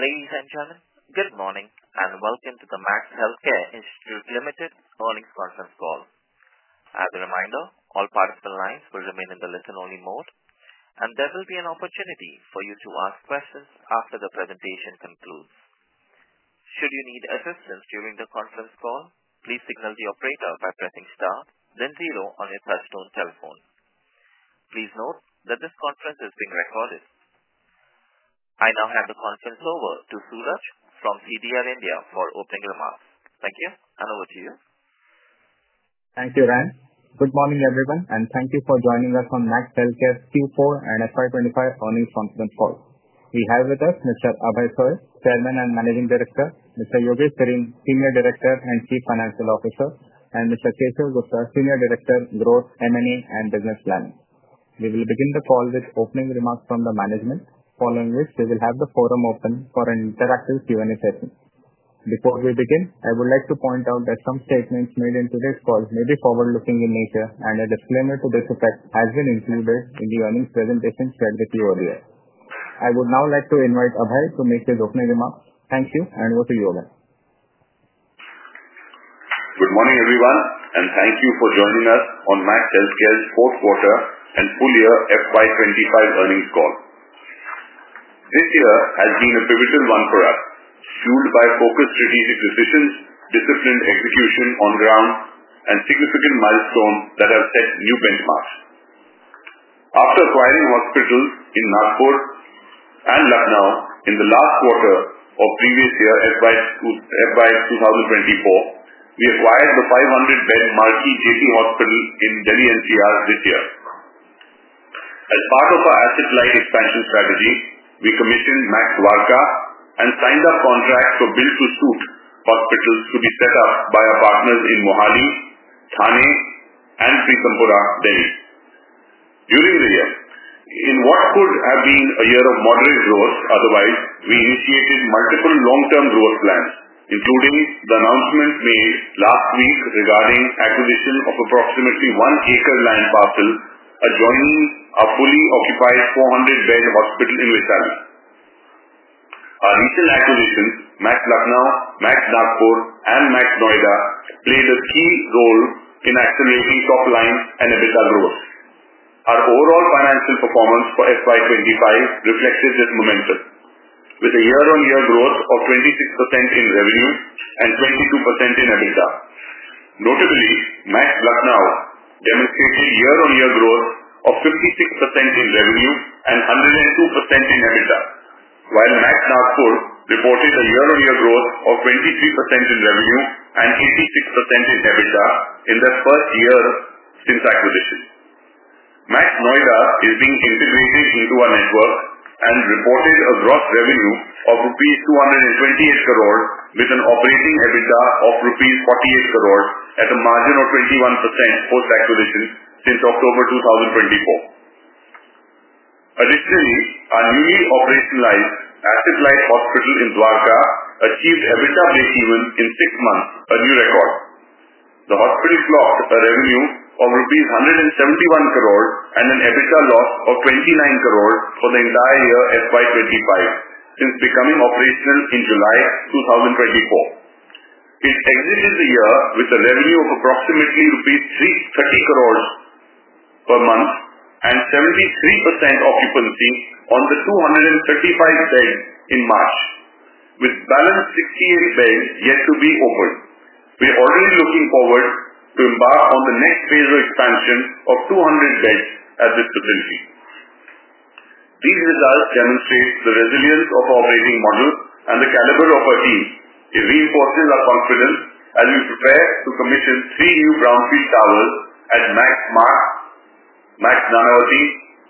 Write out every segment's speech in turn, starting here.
Ladies and gentlemen, good morning and welcome to the Max Healthcare Institute limited Earnings Conference Call. As a reminder, all participant lines will remain in the listen-only mode, and there will be an opportunity for you to ask questions after the presentation concludes. Should you need assistance during the conference call, please signal the operator by pressing star, then zero on your touch-tone telephone. Please note that this conference is being recorded. I now hand the conference over to Suraj from CDR India for opening remarks. Thank you, and over to you. Thank you, Ran. Good morning, everyone, and thank you for joining us on Max Healthcare Q4 and FY2025 Earnings Conference Call. We have with us Mr. Abhay Soi, Chairman and Managing Director; Mr. Yogesh Sareen, Senior Director and Chief Financial Officer; and Mr. Keshav Gupta, Senior Director, Growth, M&A, and Business Planning. We will begin the call with opening remarks from the management, following which we will have the forum open for an interactive Q&A session. Before we begin, I would like to point out that some statements made in today's call may be forward-looking in nature, and a disclaimer to this effect has been included in the earnings presentation shared with you earlier. I would now like to invite Abhay to make his opening remarks. Thank you, and over to you, Ran. Good morning, everyone, and thank you for joining us on Max Healthcare's fourth quarter and full-year FY2025 earnings call. This year has been a pivotal one for us, fueled by focused strategic decisions, disciplined execution on ground, and significant milestones that have set new benchmarks. After acquiring hospitals in Nagpur and Lucknow in the last quarter of previous year, FY2024, we acquired the 500-bed marquee Jaypee Hospital in Delhi NCR this year. As part of our asset-light expansion strategy, we commissioned Max Dwarka and signed up contracts for build-to-suit hospitals to be set up by our partners in Mohali, Thane, and Pritampura, Delhi. During the year, in what could have been a year of moderate growth otherwise, we initiated multiple long-term growth plans, including the announcement made last week regarding acquisition of approximately one-acre land parcel adjoining a fully occupied 400-bed hospital in Vaishali. Our recent acquisitions, Max Lucknow, Max Nagpur, and Max Noida, played a key role in accelerating top-line and EBITDA growth. Our overall financial performance for FY2025 reflected this momentum, with a year-on-year growth of 26% in revenue and 22% in EBITDA. Notably, Max Lucknow demonstrated year-on-year growth of 56% in revenue and 102% in EBITDA, while Max Nagpur reported a year-on-year growth of 23% in revenue and 86% in EBITDA in the first year since acquisition. Max Noida is being integrated into our network and reported a gross revenue of rupees 228 crore, with an operating EBITDA of rupees 48 crore, at a margin of 21% post-acquisition since October 2024. Additionally, our newly operationalized asset-light hospital in Dwarka achieved EBITDA break-even in six months, a new record. The hospital clocked a revenue of rupees 171 crore and an EBITDA loss of 29 crore for the entire year FY25 since becoming operational in July 2024. It exited the year with a revenue of approximately rupees 30 crore per month and 73% occupancy on the 235 beds in March, with balance 68 beds yet to be opened. We are already looking forward to embark on the next phase of expansion of 200 beds at this facility. These results demonstrate the resilience of our operating model and the caliber of our team. It reinforces our confidence as we prepare to commission three new brownfield towers at Max Nanavati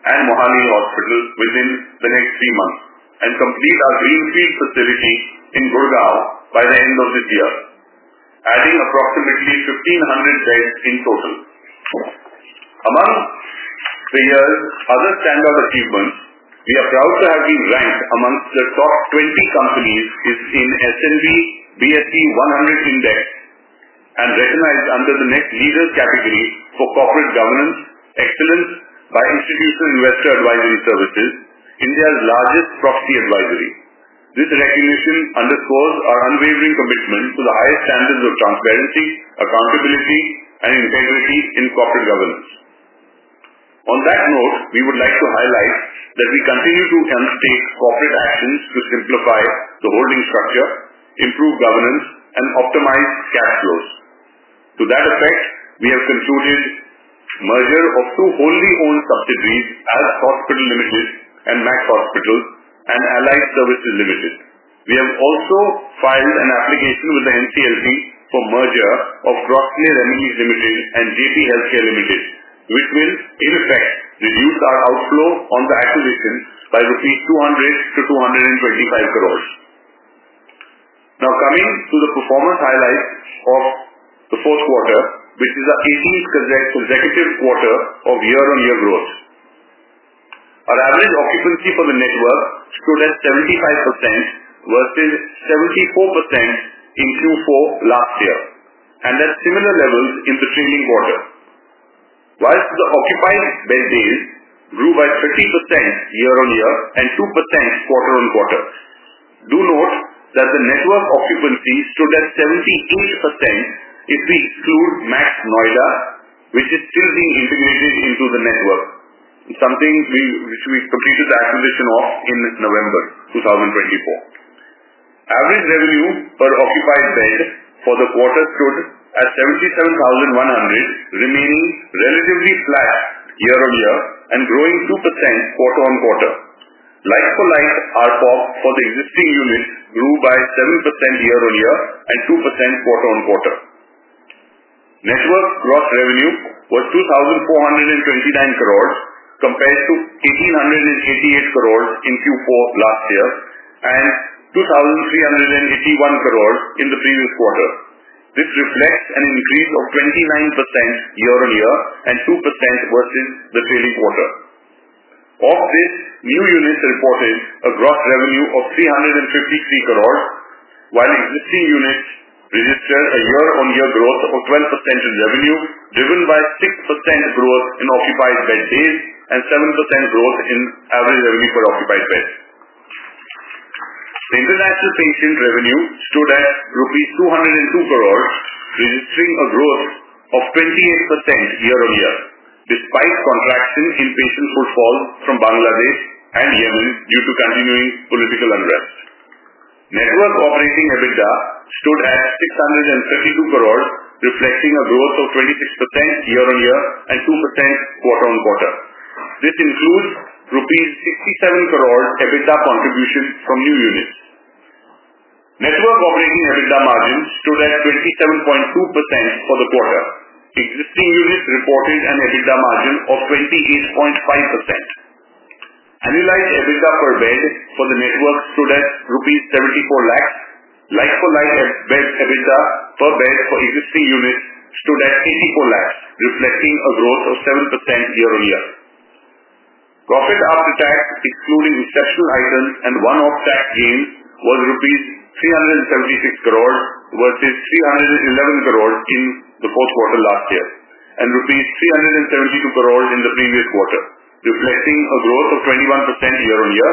and Mohali Hospital within the next three months and complete our greenfield facility in Gurgaon by the end of this year, adding approximately 1,500 beds in total. Among the year's other standout achievements, we are proud to have been ranked amongst the top 20 companies in the S&P BSE 100 index and recognized under the next leader's category for corporate governance excellence by Institutional Investor Advisory Services, India's largest proxy advisory. This recognition underscores our unwavering commitment to the highest standards of transparency, accountability, and integrity in corporate governance. On that note, we would like to highlight that we continue to undertake corporate actions to simplify the holding structure, improve governance, and optimize cash flows. To that effect, we have concluded merger of two wholly owned subsidiaries as Hospital Ltd. and Max Hospital and Allied Services Limited. We have also filed an application with the NCLP for merger of Cross Clear Remedies Limited and Jaypee Healthcare Limited., which will, in effect, reduce our outflow on the acquisition by INR 200 crore-INR 225 crore. Now, coming to the performance highlights of the fourth quarter, which is the 18th consecutive quarter of year-on-year growth, our average occupancy for the network stood at 75% versus 74% in Q4 last year, and at similar levels in the trailing quarter, whilst the occupied bed days grew by 30% year-on-year and 2% quarter-on-quarter. Do note that the network occupancy stood at 78% if we exclude Max Noida, which is still being integrated into the network, something which we completed the acquisition of in November 2024. Average revenue per occupied bed for the quarter stood at 77,100, remaining relatively flat year-on-year and growing 2% quarter-on-quarter. Like for like, our ARPOB for the existing units grew by 7% year-on-year and 2% quarter-on-quarter. Network gross revenue was 2,429 crore, compared to 1,888 crore in Q4 last year and 2,381 crore in the previous quarter. This reflects an increase of 29% year-on-year and 2% versus the trailing quarter. Of this, new units reported a gross revenue of 353 crore, while existing units register a year-on-year growth of 12% in revenue, driven by 6% growth in occupied bed days and 7% growth in average revenue per occupied bed. The international patient revenue stood at rupees 202 crore, registering a growth of 28% year-on-year, despite contraction in patient footfalls from Bangladesh and Yemen due to continuing political unrest. Network operating EBITDA stood at 632 crore, reflecting a growth of 26% year-on-year and 2% quarter-on-quarter. This includes rupees 67 crore EBITDA contribution from new units. Network operating EBITDA margin stood at 27.2% for the quarter. Existing units reported an EBITDA margin of 28.5%. Annualized EBITDA per bed for the network stood at rupees 7.4 million. Like-for-like bed EBITDA per bed for existing units stood at 8.4 million, reflecting a growth of 7% year-on-year. Profit after tax, excluding exceptional items and one-off tax gains, was rupees 3.76 billion versus 3.11 billion in the fourth quarter last year and rupees 3.72 billion in the previous quarter, reflecting a growth of 21% year-on-year.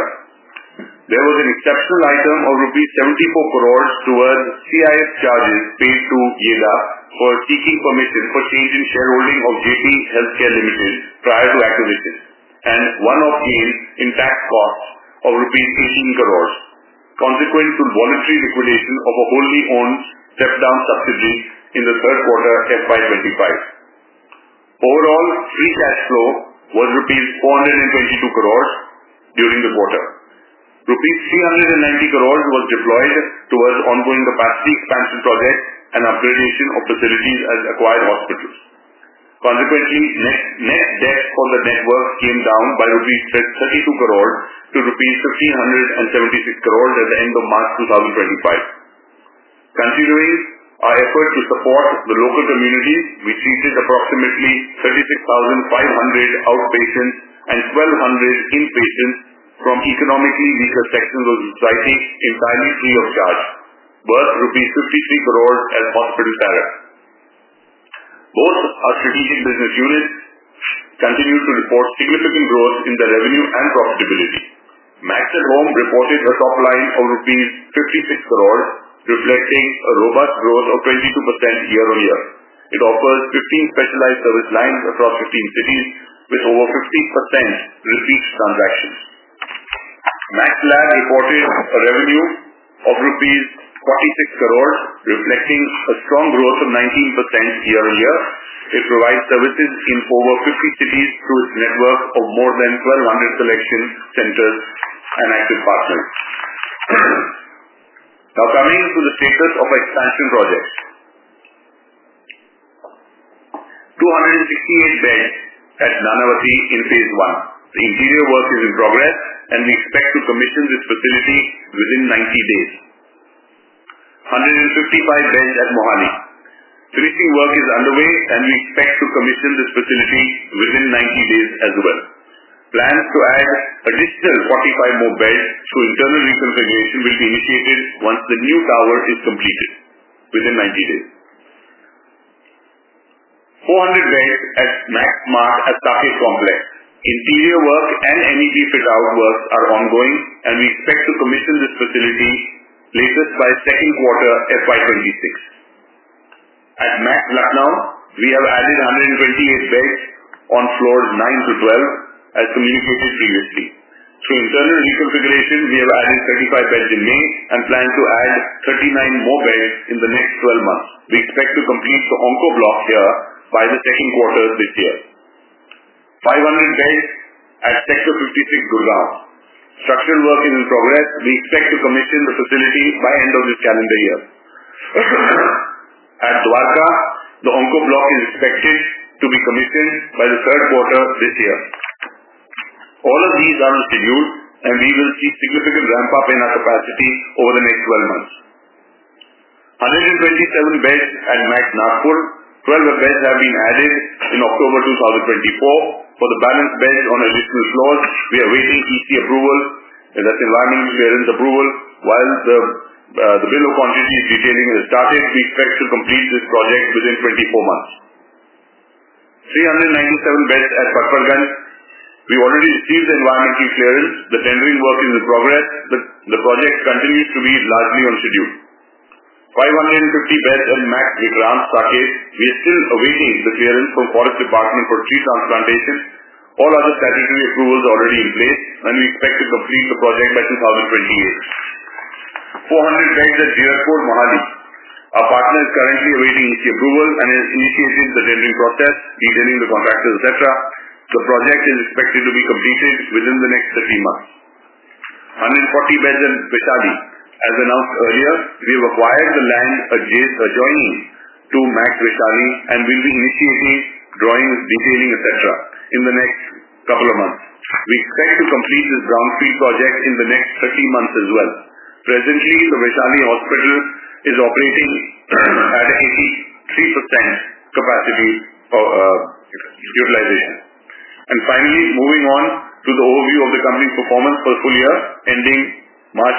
There was an exceptional item of rupees 740 million towards CIS charges paid to Yeda for seeking permission for change in shareholding of Jaypee Healthcare Limited. prior to acquisition and one-off gains in tax costs of rupees 180 million, consequent to voluntary liquidation of a wholly owned step-down subsidiary in the third quarter FY2025. Overall, free cash flow was rupees 4.22 billion during the quarter. Rupees 3.90 billion was deployed towards ongoing capacity expansion projects and upgradation of facilities at acquired hospitals. Consequently, net debt for the network came down by rupees 32 crore to rupees 1,576 crore at the end of March 2025. Continuing our effort to support the local community, we treated approximately 36,500 outpatients and 1,200 inpatients from economically weaker sections of society, entirely free of charge, worth 53 crore rupees as hospital tariff. Both our strategic business units continued to report significant growth in their revenue and profitability. Max at Home reported a top line of rupees 56 crore, reflecting a robust growth of 22% year-on-year. It offers 15 specialized service lines across 15 cities, with over 50% repeat transactions. Max Lab reported a revenue of rupees 46 crore, reflecting a strong growth of 19% year-on-year. It provides services in over 50 cities through its network of more than 1,200 selection centers and active partners. Now, coming to the status of our expansion project. 268 beds at Nanavati in phase one. The interior work is in progress, and we expect to commission this facility within 90 days. 155 beds at Mohali. Finishing work is underway, and we expect to commission this facility within 90 days as well. Plans to add an additional 45 more beds through internal reconfiguration will be initiated once the new tower is completed within 90 days. 400 beds at Max Saket Complex. Interior work and MEP fit-out works are ongoing, and we expect to commission this facility latest by second quarter FY2026. At Max Lucknow, we have added 128 beds on floors 9 to 12, as communicated previously. Through internal reconfiguration, we have added 35 beds in May and plan to add 39 more beds in the next 12 months. We expect to complete the Onco block here by the second quarter this year. 500 beds at Sector 56 Gurgaon. Structural work is in progress. We expect to commission the facility by end of this calendar year. At Dwarka, the Onco block is expected to be commissioned by the third quarter this year. All of these are on schedule, and we will see significant ramp-up in our capacity over the next 12 months. 127 beds at Max Nagpur. 12 beds have been added in October 2024. For the balance beds on additional floors, we are awaiting EC approval, that's environmental clearance approval, while the bill of quantities detailing has started. We expect to complete this project within 24 months. 397 beds at Patparganj. We already received the environmental clearance. The tendering work is in progress. The project continues to be largely on schedule. 550 beds at Max Vikrant. We are still awaiting the clearance from the Forest Department for tree transplantation. All other statutory approvals are already in place, and we expect to complete the project by 2028. 400 beds at Zirakpur Mohali. Our partner is currently awaiting EC approval and has initiated the tendering process, detailing the contractors, etc. The project is expected to be completed within the next 30 months. 140 beds at Vaishali. As announced earlier, we have acquired the land adjoining to Max Vaishali and will be initiating drawings, detailing, etc., in the next couple of months. We expect to complete this brownfield project in the next 30 months as well. Presently, the Vaishali hospital is operating at an 83% capacity utilization. Finally, moving on to the overview of the company's performance for the full year ending March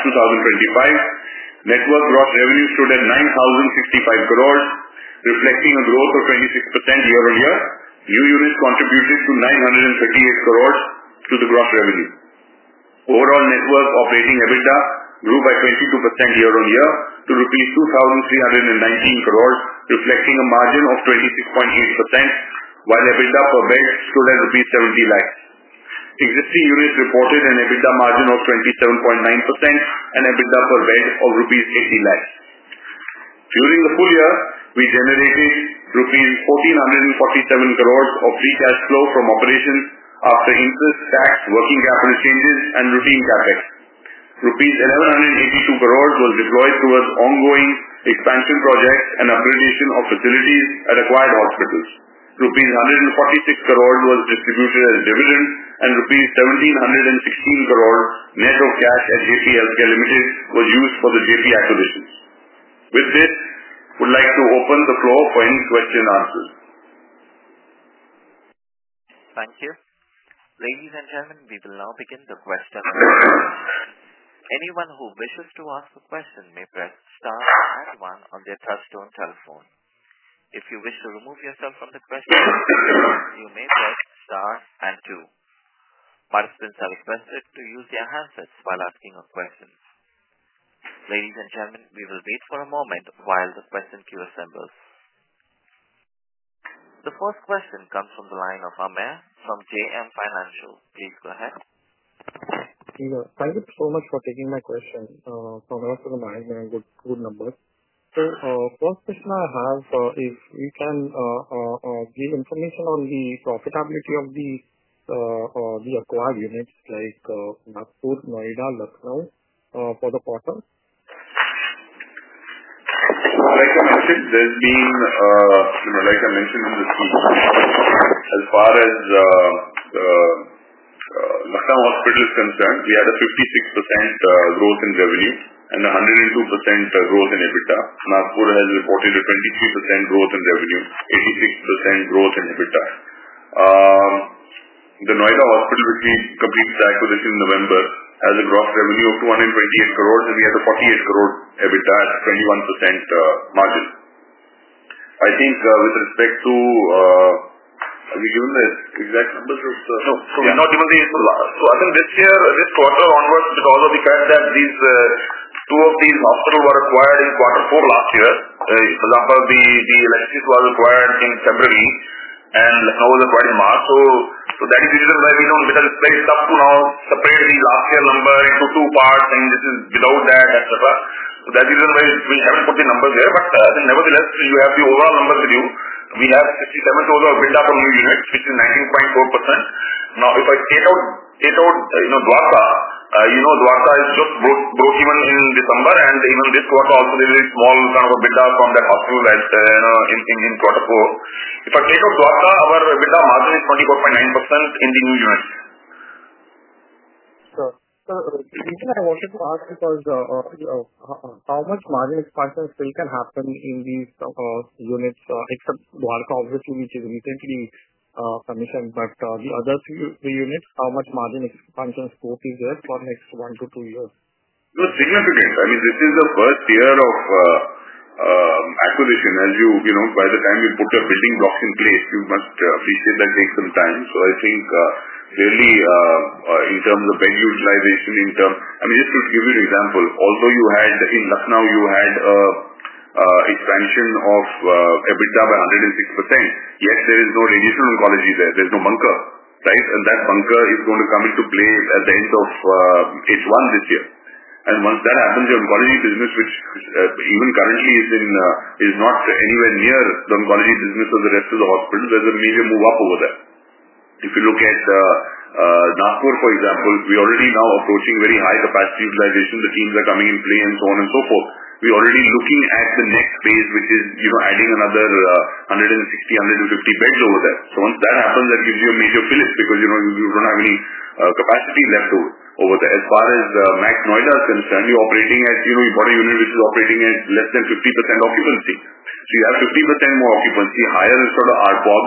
2025, network gross revenue stood at 9,065 crore, reflecting a growth of 26% year-on-year. New units contributed 938 crore to the gross revenue. Overall network operating EBITDA grew by 22% year-on-year to rupees 2,319 crore, reflecting a margin of 26.8%, while EBITDA per bed stood at rupees 70 lakh. Existing units reported an EBITDA margin of 27.9% and EBITDA per bed of rupees 80 lakh. During the full year, we generated rupees 1,447 crore of free cash flow from operations after interest, tax, working capital changes, and routine capex. Rupees 1,182 crore was deployed towards ongoing expansion projects and upgradation of facilities at acquired hospitals. Rupees 146 crore was distributed as dividend, and 1,716 crore net of cash at Jaypee Healthcare Ltd. was used for the Jaypee acquisitions. With this, I would like to open the floor for any questions and answers. Thank you. Ladies and gentlemen, we will now begin the question and answer session. Anyone who wishes to ask a question may press star and one on their touchstone telephone. If you wish to remove yourself from the questioning session, you may press star and two. Participants are requested to use their handsets while asking a question. Ladies and gentlemen, we will wait for a moment while the question queue assembles. The first question comes from the line of Amey from JM Financial. Please go ahead. Thank you so much for taking my question. Congrats on the management and good numbers. The first question I have is, we can give information on the profitability of the acquired units like Nagpur, Noida, Lucknow for the quarter? Like I mentioned, as I mentioned in the speech, as far as Lucknow Hospital is concerned, we had a 56% growth in revenue and 102% growth in EBITDA. Nagpur has reported a 23% growth in revenue, 86% growth in EBITDA. The Noida Hospital, which we completed the acquisition in November, has a gross revenue of 228 crore, and we had a 48 crore EBITDA at 21% margin. I think with respect to, have you given the exact numbers of the? No, so not even the. I think this year, this quarter onwards, because of the fact that two of these hospitals were acquired in quarter four last year, for example, the electricians were acquired in February, and Lucknow was acquired in March. That is the reason why we do not, because it is very tough to now separate the last year number into two parts and this is without that, etc. That is the reason why we have not put the numbers there. I think nevertheless, you have the overall numbers with you. We have 67 total built out of new units, which is 19.4%. Now, if I take out Dwarka, you know Dwarka has just broken even in December, and even this quarter also there is a small kind of a bit from that hospital in quarter four. If I take out Dwarka, our EBITDA margin is 24.9% in the new units. The reason I wanted to ask was how much margin expansion still can happen in these units, except Dwarka obviously, which is recently commissioned. The other three units, how much margin expansion scope is there for the next one to two years? Significant. I mean, this is the first year of acquisition. As you, by the time you put your building blocks in place, you must appreciate that takes some time. I think clearly in terms of bed utilization, in terms, I mean, just to give you an example, although you had in Lucknow, you had expansion of EBITDA by 106%, yet there is no radiation oncology there. There is no bunker, right? That bunker is going to come into play at the end of H1 this year. Once that happens, the oncology business, which even currently is not anywhere near the oncology business of the rest of the hospitals, there is a major move up over there. If you look at Nagpur, for example, we are already now approaching very high capacity utilization. The teams are coming in play and so on and so forth. We are already looking at the next phase, which is adding another 160, 150 beds over there. Once that happens, that gives you a major flip because you do not have any capacity left over there. As far as Max Noida is concerned, you are operating at, you bought a unit which is operating at less than 50% occupancy. You have 50% more occupancy, higher sort of ARPOB,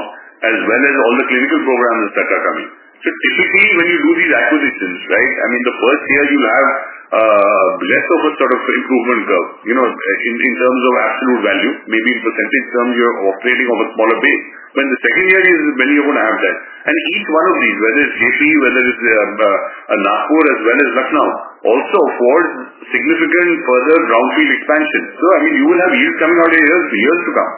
as well as all the clinical programs that are coming. Typically, when you do these acquisitions, right, the first year you will have less of a sort of improvement curve in terms of absolute value. Maybe in percentage terms, you are operating on a smaller base. The second year is when you are going to have that. Each one of these, whether it is Jaypee, whether it is Nagpur, as well as Lucknow, also affords significant further brownfield expansion. I mean, you will have years coming out here, years to come.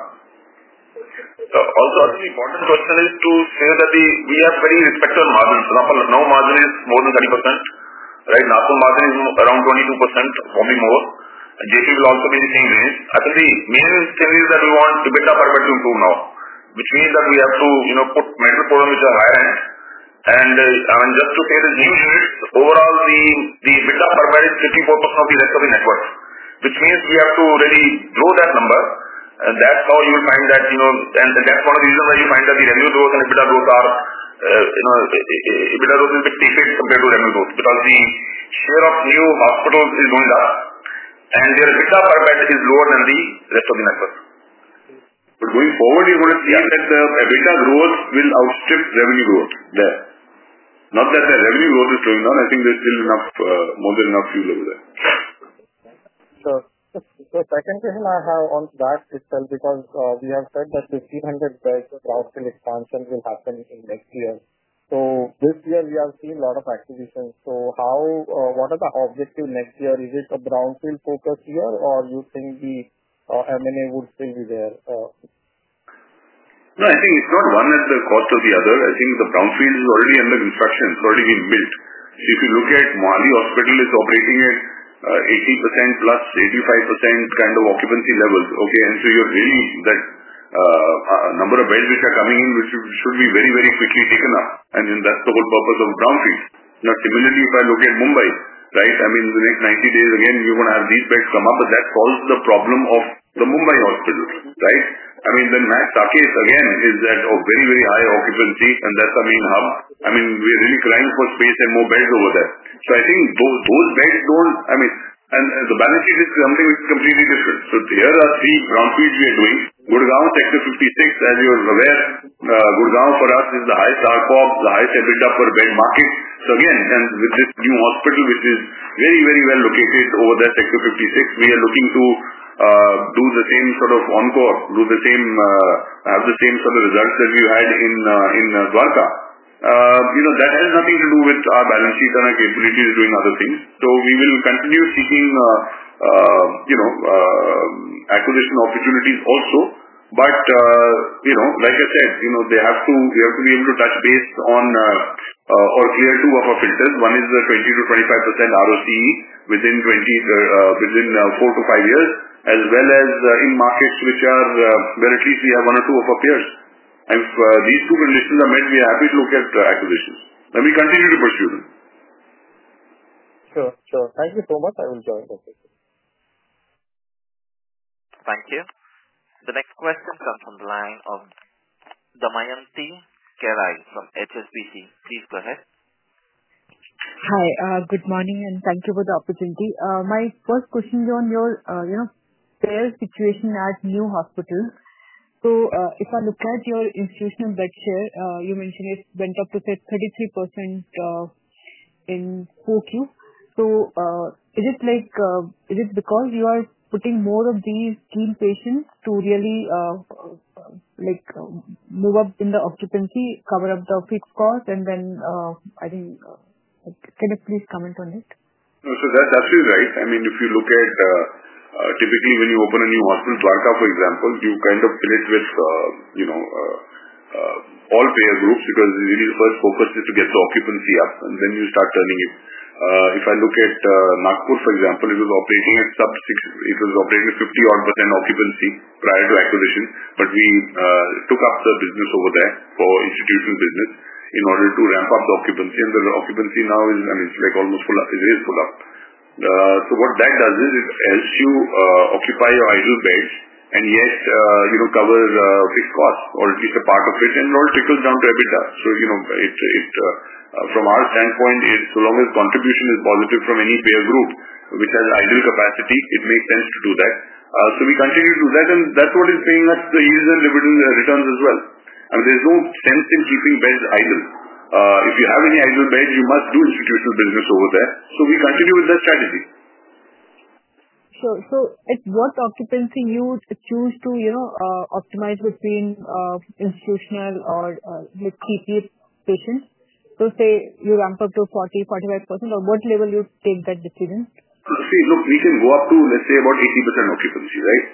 Also, an important question is to say that we have very respectable margins. For example, Lucknow margin is more than 30%, right? Nagpur margin is around 22%, probably more. Jaypee will also be in the same range. I think the main thing is that we want EBITDA per bed to improve now, which means that we have to put medical programs at a higher end. Just to say the new units, overall the EBITDA per bed is 54% of the rest of the network, which means we have to really grow that number. That is how you will find that, and that is one of the reasons why you find that the revenue growth and EBITDA growth are EBITDA growth is a bit deflated compared to revenue growth because the share of new hospitals is going up, and their EBITDA per bed is lower than the rest of the network. Going forward, you're going to see that the EBITDA growth will outstrip revenue growth there. Not that the revenue growth is going down. I think there's still more than enough fuel over there. The second question I have on that is because we have said that 1,500 beds of brownfield expansion will happen in next year. This year, we have seen a lot of acquisitions. What are the objectives next year? Is it a brownfield focus here, or do you think the M&A would still be there? No, I think it's not one at the cost of the other. I think the brownfield is already under construction. It's already been built. If you look at Mohali Hospital, it's operating at 80%-85% kind of occupancy levels. Okay? You're really that number of beds which are coming in, which should be very, very quickly taken up. That's the whole purpose of brownfields. Now, similarly, if I look at Mumbai, right, in the next 90 days, again, you're going to have these beds come up, but that solves the problem of the Mumbai hospitals, right? I mean, then Max Saket, again, is at a very, very high occupancy, and that's our main hub. I mean, we're really crying for space and more beds over there. I think those beds don't, I mean, and the balance sheet is something which is completely different. Here are three brownfields we are doing. Gurgaon, Sector 56, as you're aware, Gurgaon for us is the highest ARPOB, the highest EBITDA per bed market. Again, with this new hospital, which is very, very well located over there at Sector 56, we are looking to do the same sort of encore, have the same sort of results as we had in Dwarka. That has nothing to do with our balance sheet and our capabilities of doing other things. We will continue seeking acquisition opportunities also. Like I said, we have to be able to touch base on or clear two of our filters. One is the 20%-25% ROCE within four to five years, as well as in markets where at least we have one or two of our peers. If these two conditions are met, we are happy to look at acquisitions. Let me continue to pursue them. Sure. Thank you so much. I will join the session. Thank you. The next question comes from the line of Damyanti Kerai from HSBC. Please go ahead. Hi. Good morning, and thank you for the opportunity. My first question is on your fair situation at new hospitals. If I look at your institutional bed share, you mentioned it went up to, say, 33% in Q4. Is it because you are putting more of these key patients to really move up in the occupancy, cover up the fixed cost, and then I think can you please comment on it? That is absolutely right. I mean, if you look at typically when you open a new hospital, Dwarka, for example, you kind of fill it with all payer groups because really the first focus is to get the occupancy up, and then you start turning it. If I look at Nagpur, for example, it was operating at sub 60; it was operating at 50%-odd occupancy prior to acquisition, but we took up the business over there for institutional business in order to ramp up the occupancy. The occupancy now is, I mean, it is like almost full up. It is full up. What that does is it helps you occupy your idle beds and yet cover fixed cost or at least a part of it, and it all trickles down to EBITDA. From our standpoint, so long as contribution is positive from any payer group which has idle capacity, it makes sense to do that. We continue to do that, and that is what is paying us the ease and returns as well. I mean, there is no sense in keeping beds idle. If you have any idle beds, you must do institutional business over there. We continue with that strategy. Sure. At what occupancy do you choose to optimize between institutional or CP patients? Say you ramp up to 40-45%, or what level do you take that decision? See, look, we can go up to, let's say, about 80% occupancy, right?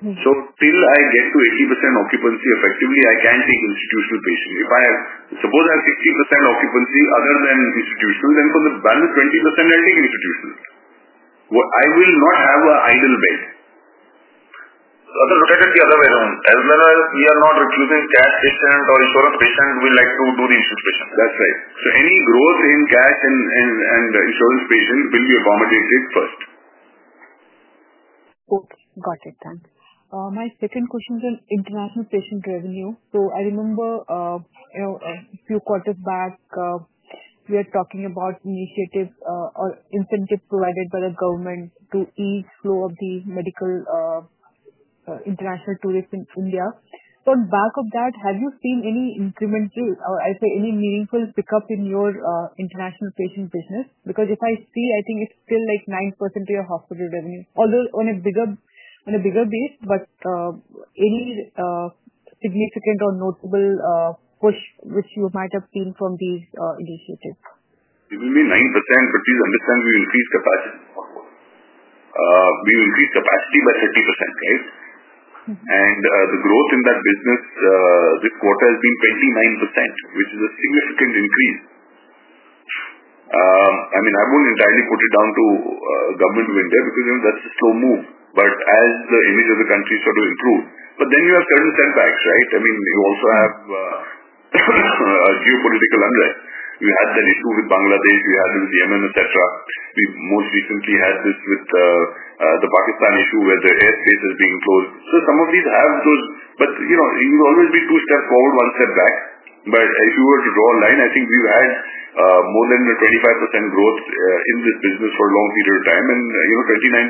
Till I get to 80% occupancy effectively, I can't take institutional patients. If I suppose I have 60% occupancy other than institutional, then for the balance 20%, I'll take institutional. I will not have an idle bed. I can take it the other way around. As long as we are not recruiting cash patient or insurance patient, we like to do the institutional patient. That's right. Any growth in cash and insurance patient will be accommodated first. Okay. Got it then. My second question is on international patient revenue. I remember a few quarters back, we were talking about initiative or incentive provided by the government to ease flow of the medical international tourists in India. On the back of that, have you seen any incremental, or I say any meaningful pickup in your international patient business? If I see, I think it's still like 9% of your hospital revenue, although on a bigger base, but any significant or notable push which you might have seen from these initiatives? It will be 9%, but please understand we will increase capacity. We will increase capacity by 30%, right? The growth in that business this quarter has been 29%, which is a significant increase. I mean, I won't entirely put it down to government window because that's a slow move. But as the image of the country sort of improves, you have certain setbacks, right? I mean, you also have geopolitical unrest. We had that issue with Bangladesh. We had it with Yemen, etc. We most recently had this with the Pakistan issue where the airspace has been closed. Some of these have those, but you will always be two steps forward, one step back. If you were to draw a line, I think we've had more than 25% growth in this business for a long period of time, and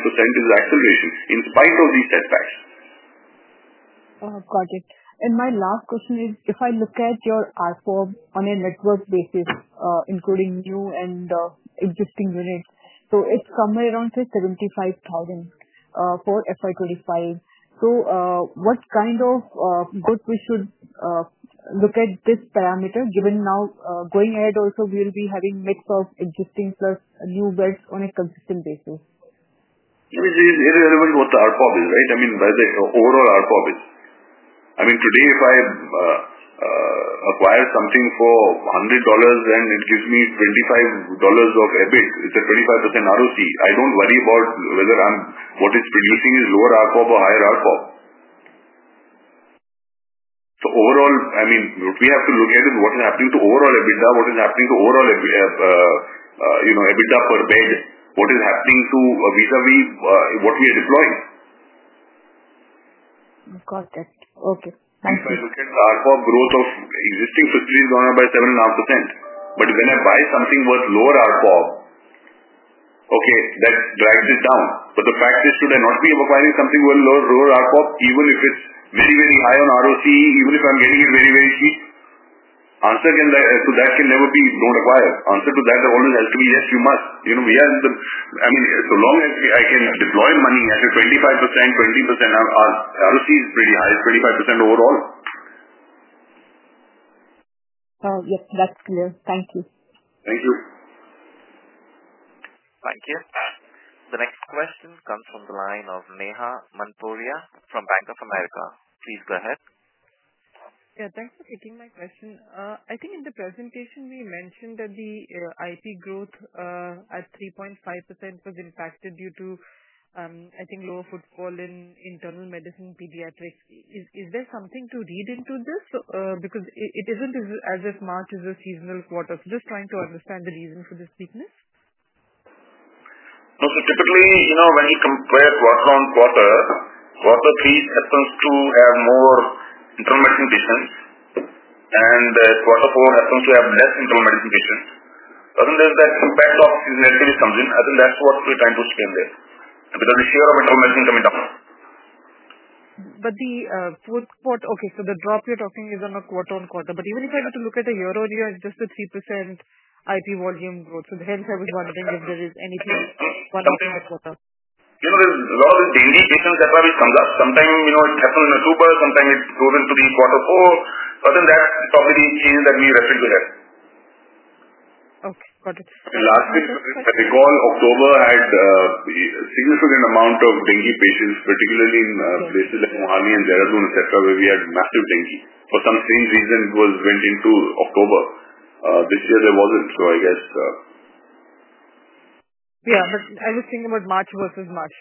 29% is acceleration in spite of these setbacks. Got it. My last question is, if I look at your ARPOB on a network basis, including new and existing units, it is somewhere around 75,000 for FY2025. What kind of growth should we look at for this parameter given now, going ahead, also we will be having a mix of existing plus new beds on a consistent basis? It is relevant what the ARPOB is, right? I mean, by the overall ARPOB is. I mean, today if I acquire something for $100 and it gives me $25 of EBITDA, it's a 25% ROCE. I don't worry about whether what it's producing is lower ARPOB or higher ARPOB. Overall, I mean, what we have to look at is what is happening to overall EBITDA, what is happening to overall EBITDA per bed, what is happening to vis-à-vis what we are deploying. Got it. Okay. Thank you. If I look at the ARPOB growth of existing facilities going up by 7.5%, but when I buy something with lower ARPOB, okay, that drags it down. The fact is, should I not be acquiring something with lower ARPOB, even if it's very, very high on ROCE, even if I'm getting it very, very cheap? Answer to that can never be don't acquire. Answer to that always has to be, yes, you must. We are in the, I mean, so long as I can deploy money at a 25%, 20% ROCE is pretty high, 25% overall. Yes, that's clear. Thank you. Thank you. Thank you. The next question comes from the line of Neha Manpuria from Bank of America. Please go ahead. Yeah. Thanks for taking my question. I think in the presentation, we mentioned that the IP growth at 3.5% was impacted due to, I think, lower footfall in internal medicine, pediatrics. Is there something to read into this? Because it isn't as much as a seasonal quarter. Just trying to understand the reason for this weakness. Also, typically, when you compare quarter-on-quarter, quarter three happens to have more internal medicine patients, and quarter four happens to have less internal medicine patients. I think that impact of nativity comes in. I think that's what we're trying to explain there because the share of internal medicine coming down. The fourth quarter, okay, so the drop you're talking is on a quarter-on-quarter. Even if I were to look at a year-on-year, it's just a 3% IP volume growth. Hence, I was wondering if there is anything one of the quarters. There's a lot of daily patients that come up. Sometime it happens in October, sometime it goes into quarter four. That's probably the change that we referred to there. Okay. Got it. Lastly, if I recall, October had a significant amount of dengue patients, particularly in places like Mohali and Gurugram, etc., where we had massive dengue. For some strange reason, it went into October. This year, there wasn't, so I guess. Yeah. I was thinking about March versus March.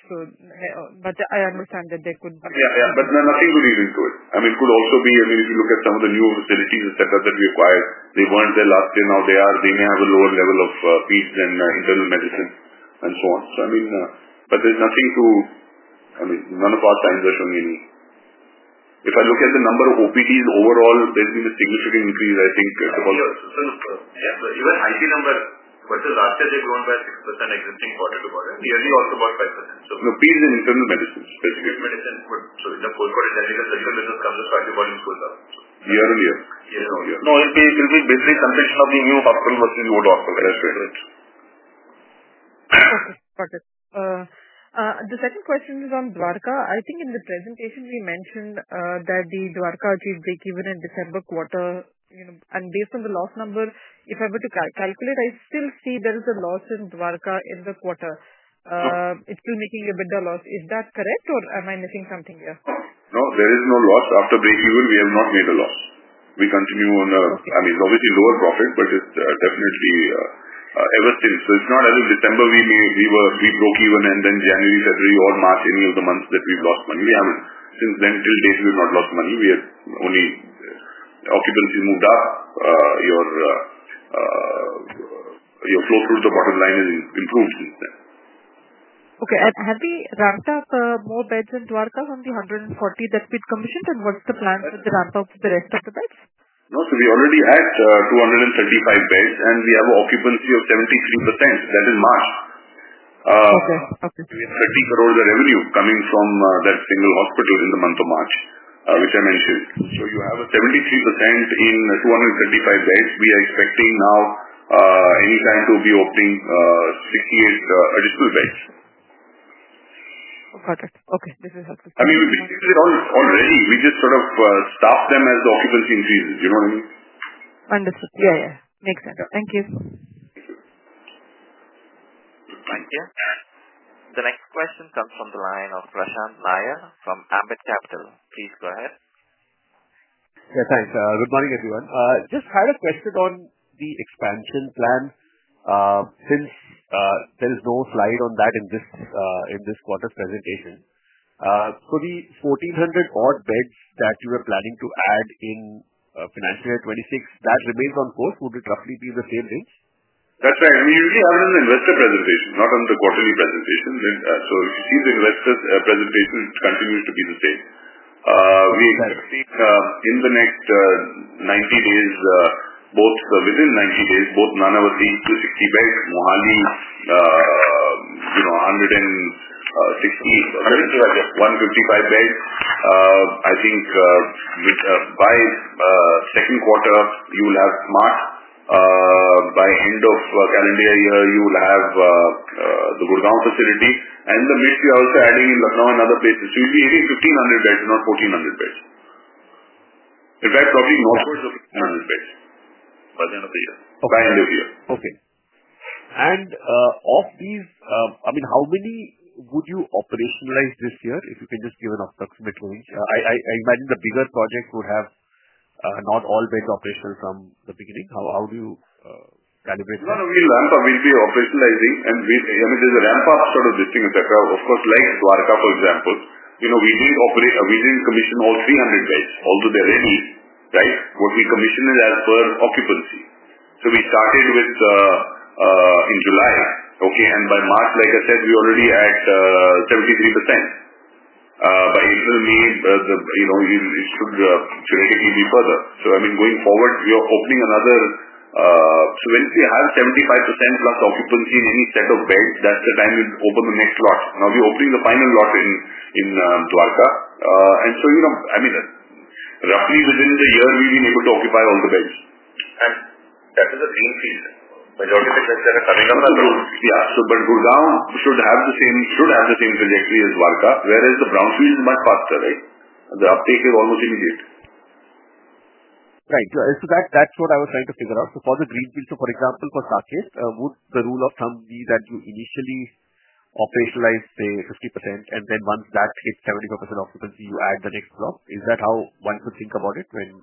I understand that there could be. Yeah. Yeah. Nothing to read into it. I mean, it could also be, I mean, if you look at some of the new facilities, etc., that we acquired, they weren't there last year. Now they are. They may have a lower level of feeds than internal medicine and so on. I mean, but there's nothing to, I mean, none of our signs are showing any. If I look at the number of OPDs overall, there's been a significant increase, I think, because, yeah. But even IP number versus last year, they've grown by 6% existing quarter to quarter. Nearly also about 5%. No, OPDs in internal medicine, specifically. Internal medicine. In the fourth quarter, technical sector business comes as far as the volumes goes up. Year on year. Year on year. No, it'll be basically transition of the new hospital versus the old hospital. That's right. That's right. Okay. Got it. The second question is on Dwarka. I think in the presentation, we mentioned that Dwarka achieved breakeven in December quarter. Based on the loss number, if I were to calculate, I still see there is a loss in Dwarka in the quarter. It's still making EBITDA loss. Is that correct, or am I missing something here? No, there is no loss. After breakeven, we have not made a loss. We continue on a, I mean, it's obviously lower profit, but it's definitely ever since. It's not as if December we broke even and then January, February, or March, any of the months that we've lost money. We haven't. Since then, till date, we've not lost money. We have only occupancy moved up. Your flow through the bottom line has improved since then. Okay. Have we ramped up more beds in Dwarka from the 140 that we'd commissioned, and what's the plan for the ramp-up of the rest of the beds? No, we already had 235 beds, and we have an occupancy of 73%. That is March. Okay. Okay. We have 30 crore of revenue coming from that single hospital in the month of March, which I mentioned. You have a 73% in 235 beds. We are expecting now anytime to be opening 68 additional beds. Got it. Okay. This is helpful. I mean, we basically already, we just sort of stopped them as the occupancy increases. You know what I mean? Understood. Yeah. Yeah. Makes sense. Thank you. Thank you. Thank you. The next question comes from the line of Prashant Nair from Ambit Capital. Please go ahead. Yeah. Thanks. Good morning, everyone. Just had a question on the expansion plan since there is no slide on that in this quarter's presentation. The 1,400 odd beds that you were planning to add in financial year 2026, that remains on course. Would it roughly be the same range? That's right. I mean, usually I have an investor presentation, not on the quarterly presentation. If you see the investor's presentation, it continues to be the same. We expect in the next 90 days, both within 90 days, both Nanavati 260 beds, Mohali 160, 155 beds. I think by second quarter, you will have Smart. By end of calendar year, you will have the Gurgaon facility. In the midst, we are also adding in Lucknow and other places. You will be hitting 1,500 beds, not 1,400 beds. In fact, probably northwards of 1,500 beds by the end of the year. By end of the year. Okay. Of these, I mean, how many would you operationalize this year? If you can just give an approximate range. I imagine the bigger projects would have not all been operational from the beginning. How do you calibrate? No, no. We will ramp up. We'll be operationalizing. And there's a ramp-up sort of this thing, etc. Of course, like Dwarka, for example, we didn't commission all 300 beds, although they're ready, right? What we commissioned is as per occupancy. We started with in July, okay? By March, like I said, we're already at 73%. By April, May, it should theoretically be further. I mean, going forward, we are opening another. When we have 75% plus occupancy in any set of beds, that's the time we open the next lot. Now we're opening the final lot in Dwarka. I mean, roughly within the year, we've been able to occupy all the beds. That is a greenfield. Majority of the beds that are coming up are brownfields. Yeah. Gurgaon should have the same trajectory as Dwarka, whereas the brownfield is much faster, right? The uptake is almost immediate. Right. That is what I was trying to figure out. For the greenfield, for example, for Saket, would the rule of thumb be that you initially operationalize, say, 50%, and then once that hits 75% occupancy, you add the next block? Is that how one could think about it? You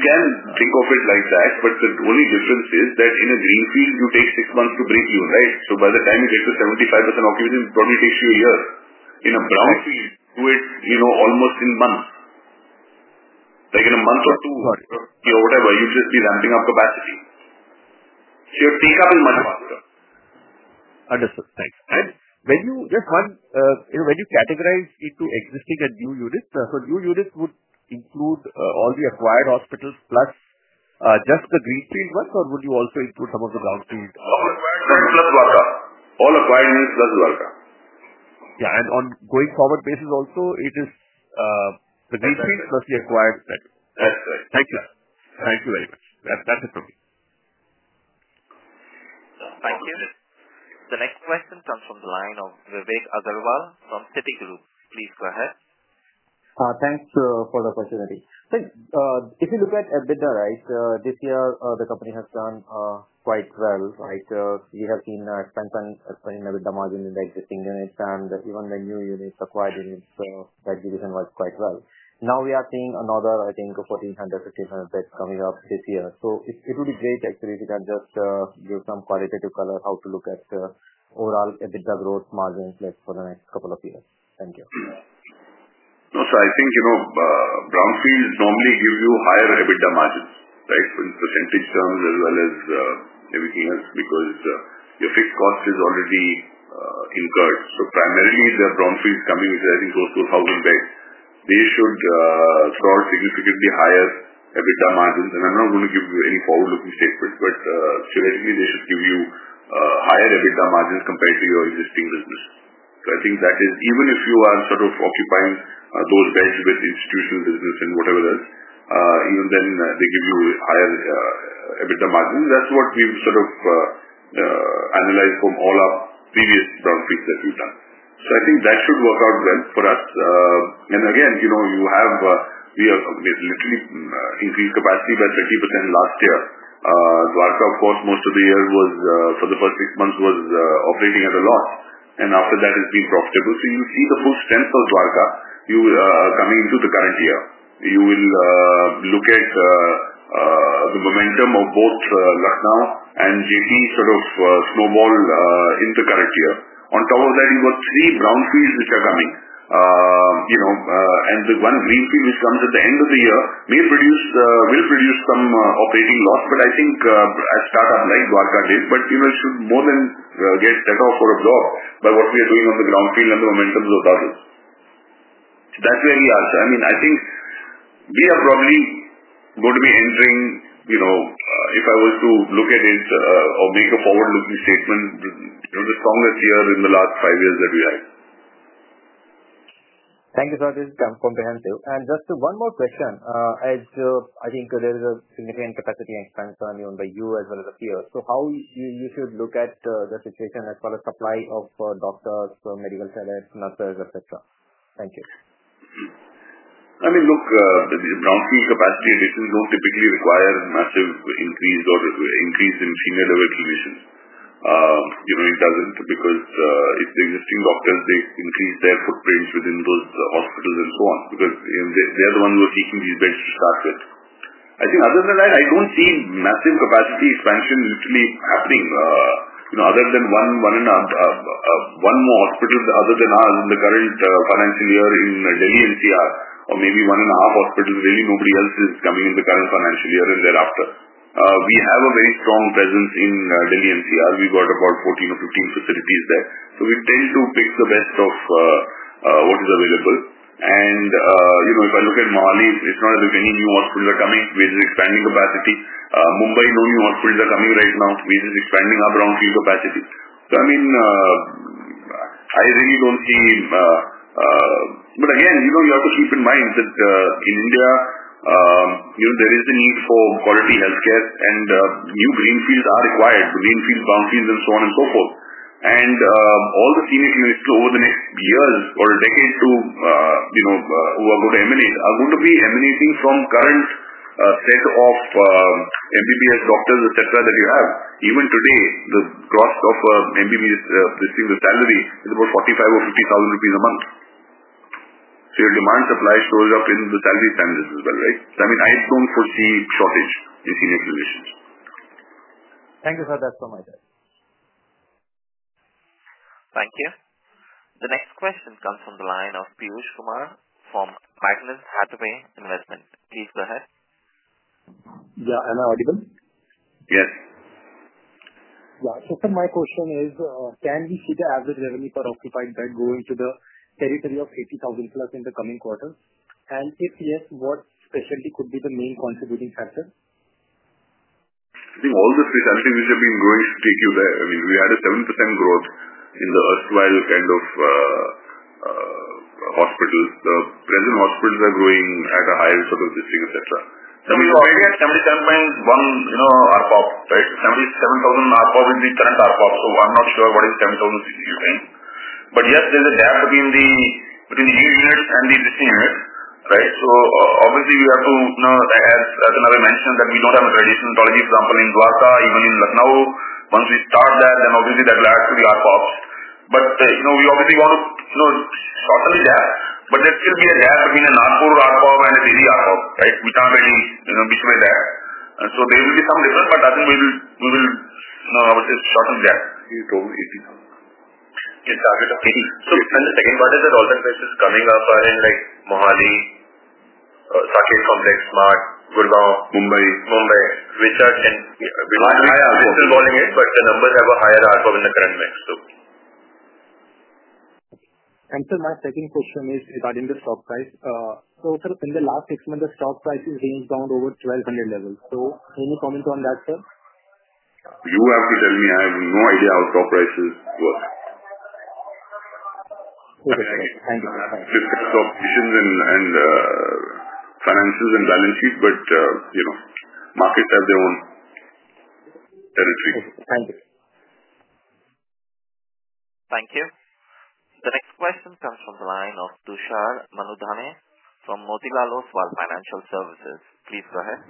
can think of it like that, but the only difference is that in a greenfield, you take six months to break even, right? By the time you get to 75% occupancy, it probably takes you a year. In a brownfield, you do it almost in months, like in a month or two, or whatever. You would just be ramping up capacity, so your take-up is much faster. Understood. Thanks. Just one, when you categorize into existing and new units, new units would include all the acquired hospitals plus just the greenfield ones, or would you also include some of the brownfield? All acquired plus Dwarka. All acquired means plus Dwarka. Yeah. On a going forward basis also, it is the greenfield plus the acquired. That's correct. Thank you. Thank you very much. That's it from me. Thank you. The next question comes from the line of Vivek Agrawal from Citigroup. Please go ahead. Thanks for the opportunity. If you look at EBITDA, right, this year, the company has done quite well, right? We have seen expansion and expanding EBITDA margin in the existing units, and even the new units, acquired units, that division worked quite well. Now we are seeing another, I think, 1,400-1,500 beds coming up this year. It would be great, actually, if you can just give some qualitative color how to look at overall EBITDA growth margins for the next couple of years. Thank you. Also, I think brown fields normally give you higher EBITDA margins, right, in percentage terms as well as everything else because your fixed cost is already incurred. Primarily, the brown fields coming with, I think, close to 1,000 beds, they should throw out significantly higher EBITDA margins. I'm not going to give you any forward-looking statements, but theoretically, they should give you higher EBITDA margins compared to your existing business. I think that is even if you are sort of occupying those beds with institutional business and whatever else, even then they give you higher EBITDA margins. That's what we've sort of analyzed from all our previous brown fields that we've done. I think that should work out well for us. Again, you have literally increased capacity by 30% last year. Dwarka, of course, most of the year for the first six months was operating at a loss, and after that, it has been profitable. You will see the full strength of Dwarka coming into the current year. You will look at the momentum of both Lucknow and Jaypee sort of snowball in the current year. On top of that, you have got three brownfields which are coming. The one greenfield which comes at the end of the year may produce some operating loss, like a startup like Dwarka did, but it should more than get cut off or absorbed by what we are doing on the brownfield and the momentum of others. That is where we are. I mean, I think we are probably going to be entering, if I was to look at it or make a forward-looking statement, the strongest year in the last five years that we had. Thank you for this comprehensive. Just one more question. I think there is a significant capacity expansion on the year as well as the year. How should you look at the situation as far as supply of doctors, medical cells, nurses, etc.? Thank you. I mean, look, the brownfield capacity additions do not typically require massive increase or increase in senior level commissions. It does not because if the existing doctors, they increase their footprints within those hospitals and so on because they are the ones who are seeking these beds to start with. I think other than that, I do not see massive capacity expansion literally happening. Other than one more hospital other than us in the current financial year in Delhi NCR, or maybe one and a half hospitals, really nobody else is coming in the current financial year and thereafter. We have a very strong presence in Delhi NCR. We've got about 14 or 15 facilities there. We tend to pick the best of what is available. If I look at Mohali, it's not as if any new hospitals are coming. We're just expanding capacity. Mumbai, no new hospitals are coming right now. We're just expanding our brownfield capacity. I really don't see, but again, you have to keep in mind that in India, there is the need for quality healthcare, and new greenfields are required, greenfields, brownfields, and so on and so forth. All the senior units over the next years or a decade who are going to emanate are going to be emanating from current set of MBBS doctors, etc., that you have. Even today, the cost of MBBS receiving the salary is about 45,000 or 50,000 rupees a month. Your demand supply shows up in the salary standards as well, right? I mean, I do not foresee shortage in senior physicians. Thank you for that comment. Thank you. The next question comes from the line of Piyush Kumar from Magnus Hathaway Investment. Please go ahead. Yeah. Am I audible? Yes. Yeah. My question is, can we see the average revenue per occupied bed going to the territory of 80,000 plus in the coming quarter? And if yes, what specialty could be the main contributing factor? I think all the specialties which have been growing take you there. I mean, we had a 7% growth in the erstwhile kind of hospitals. The present hospitals are growing at a higher sort of district, etc. Maybe at INR 77,000 ARPOB, right? INR 77,000 ARPOB is the current ARPOB. I'm not sure what is INR 77,000 you're saying. Yes, there's a gap between the new units and the existing units, right? Obviously, we have to, as I mentioned, we don't have a traditionality, for example, in Dwarka, even in Lucknow. Once we start that, then obviously that will add to the ARPOBs. We obviously want to shorten the gap, but there should be a gap between a Nagpur ARPOB and a Delhi ARPOB, right? We can't really be so exact. There will be some difference, but I think we will, I would say, shorten the gap. INR 80,000. Your target of 80,000. The second part is that all the places coming up are in like Mohali, Saket Complex, Smart, Gurgaon, Mumbai, and I am distance balling it, but the numbers have a higher ARPOB in the current mix. Sir, my second question is regarding the stock price. In the last six months, the stock price has ranged down over 1,200 levels. Any comment on that, sir? You have to tell me. I have no idea how stock prices work. Okay. Thank you. Thank you. It depends on options and financials and balance sheet, but markets have their own territory. Thank you. Thank you. The next question comes from the line of Tushar Manudhane from Motilal Oswal Financial Services. Please go ahead.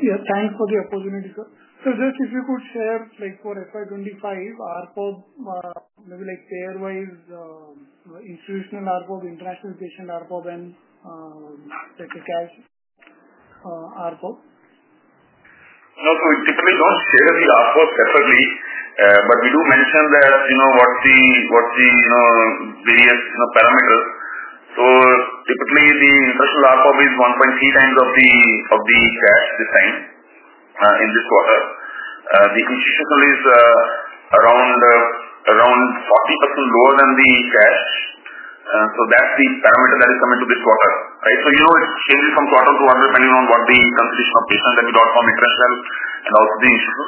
Yeah. Thanks for the opportunity, sir. If you could share for FY2025 ARPOB, maybe like pair-wise institutional ARPOB, international patient ARPOB, and cash ARPOB. We typically do not share the ARPOB separately, but we do mention what the various parameters are. Typically, the international ARPOB is 1.x the cash this time in this quarter. The institutional is around 40% lower than the cash. That is the parameter that is coming to this quarter, right? It changes from quarter to quarter depending on the constitution of patients, ARPOB from international, and also the institutional.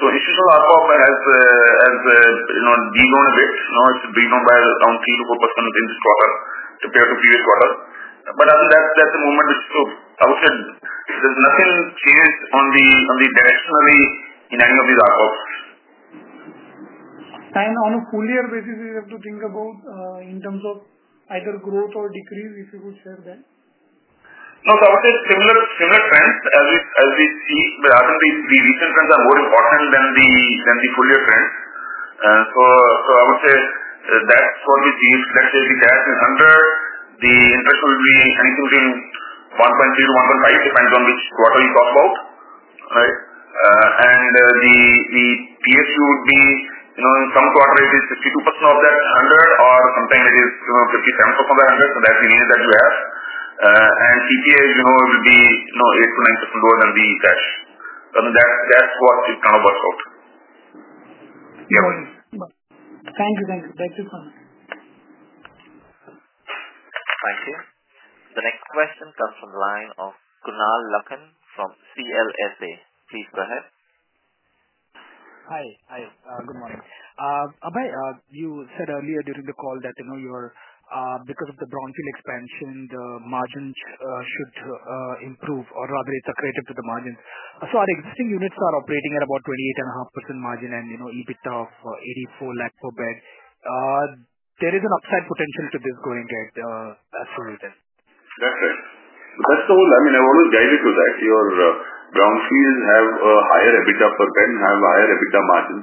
Institutional ARPOB has begun a bit. It has begun by around 3%-4% within this quarter compared to the previous quarter. I think that is the movement, which is, I would say, there is nothing changed directionally in any of these ARPOBs. On a full year basis, we have to think about in terms of either growth or decrease, if you could share that. No, I would say similar trends as we see, but I think the recent trends are more important than the full year trends. I would say that is what we see. Let's say the cash is 100. The international would be anything between 1.3-1.5, depending on which quarter you talk about, right? The PSU would be, in some quarters, it is 52% of that 100, or sometimes it is 57% of that 100, so that is the area that you have. CPA, it would be 8%-9% lower than the cash. I think that is what it kind of works out. Thank you. Thank you. Thank you so much. Thank you. The next question comes from the line of Kunal Lakhan from CLSA. Please go ahead. Hi. Hi. Good morning. Abhay, you said earlier during the call that because of the brownfield expansion, the margins should improve, or rather it's accretive to the margins. Our existing units are operating at about 28.5% margin and EBITDA of 84 lahk per bed. There is an upside potential to this going ahead. That's what we said. That's right. That's the whole, I mean, I want to guide you to that. Your brownfields have a higher EBITDA per bed, have a higher EBITDA margin.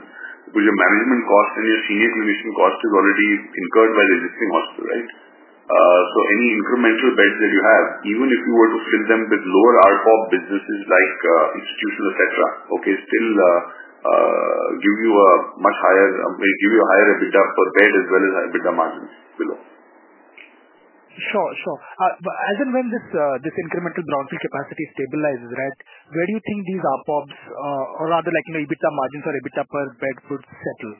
Because your management cost and your senior commission cost is already incurred by the existing hospital, right? Any incremental beds that you have, even if you were to fill them with lower ARPOB businesses like institutional, etc., still give you a higher EBITDA per bed as well as EBITDA margins below. Sure. As and when this incremental brownfield capacity stabilizes, where do you think these ARPOBs, or rather EBITDA margins or EBITDA per bed would settle?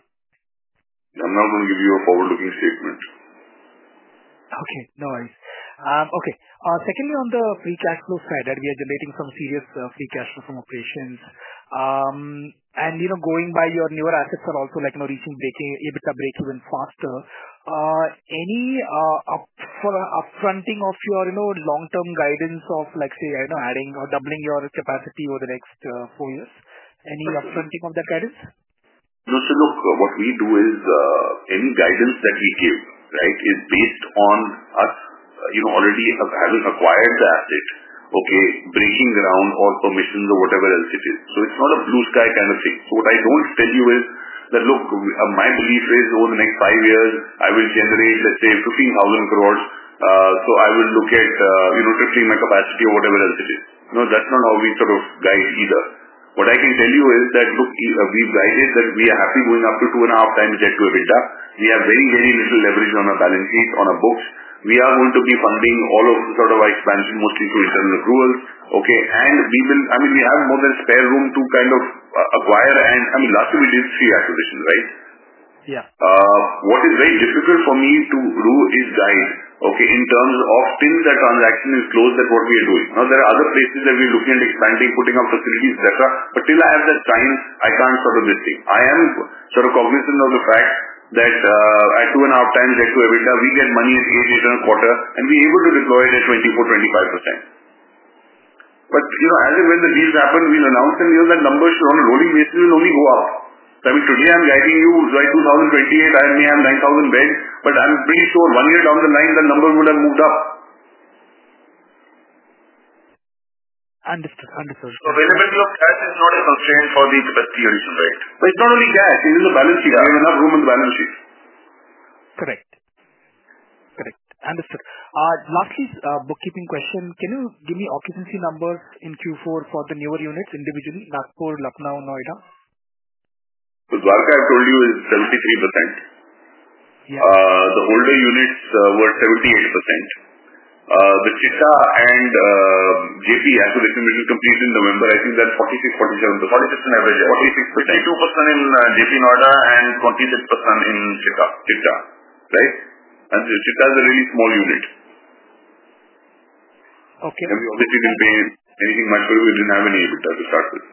I'm not going to give you a forward-looking statement. No worries. Secondly, on the free cash flow side that we are generating some serious free cash flow from operations, and going by your newer assets are also reaching EBITDA break-even faster, any upfronting of your long-term guidance of, say, adding or doubling your capacity over the next four years? Any upfronting of that guidance? No, sir. Look, what we do is any guidance that we give, right, is based on us already having acquired the asset, okay, breaking ground or permissions or whatever else it is. It is not a blue sky kind of thing. What I do not tell you is that, look, my belief is over the next five years, I will generate, let's say, 15,000 crore, so I will look at tripling my capacity or whatever else it is. No, that is not how we sort of guide either. What I can tell you is that, look, we have guided that we are happy going up to 2.5x net to EBITDA. We have very, very little leverage on our balance sheet, on our books. We are going to be funding all of sort of our expansion mostly through internal accruals, okay? I mean, we have more than spare room to kind of acquire, and I mean, last year we did three acquisitions, right? Yeah. What is very difficult for me to do is guide, okay, in terms of till the transaction is closed at what we are doing. Now, there are other places that we are looking at expanding, putting up facilities, etc., but till I have that time, I can't sort of this thing. I am sort of cognizant of the fact that at 2.5x net to EBITDA, we get money at 8%-8.25%, and we're able to deploy it at 24%, 25%. As and when the deals happen, we'll announce, and that number on a rolling basis will only go up. I mean, today I'm guiding you, right? 2028, I may have 9,000 beds, but I'm pretty sure one year down the line, that number would have moved up. Understood. Understood. So availability of cash is not a constraint for the capacity addition, right? But it's not only cash. It is the balance sheet. We have enough room in the balance sheet. Correct. Correct. Understood. Lastly, bookkeeping question. Can you give me occupancy numbers in Q4 for the newer units individually? Nagpur, Lucknow, Noida. Dwarka, I've told you, is 73%. The older units were 78%. The Chitta and Jaypee actually completed in November. I think that's 46, 47. So 46 on average. 46%. 42% in Jaypee Noida and 26% in Chitta, right? And Chitta is a really small unit. And we obviously didn't pay anything much because we didn't have any EBITDA to start with.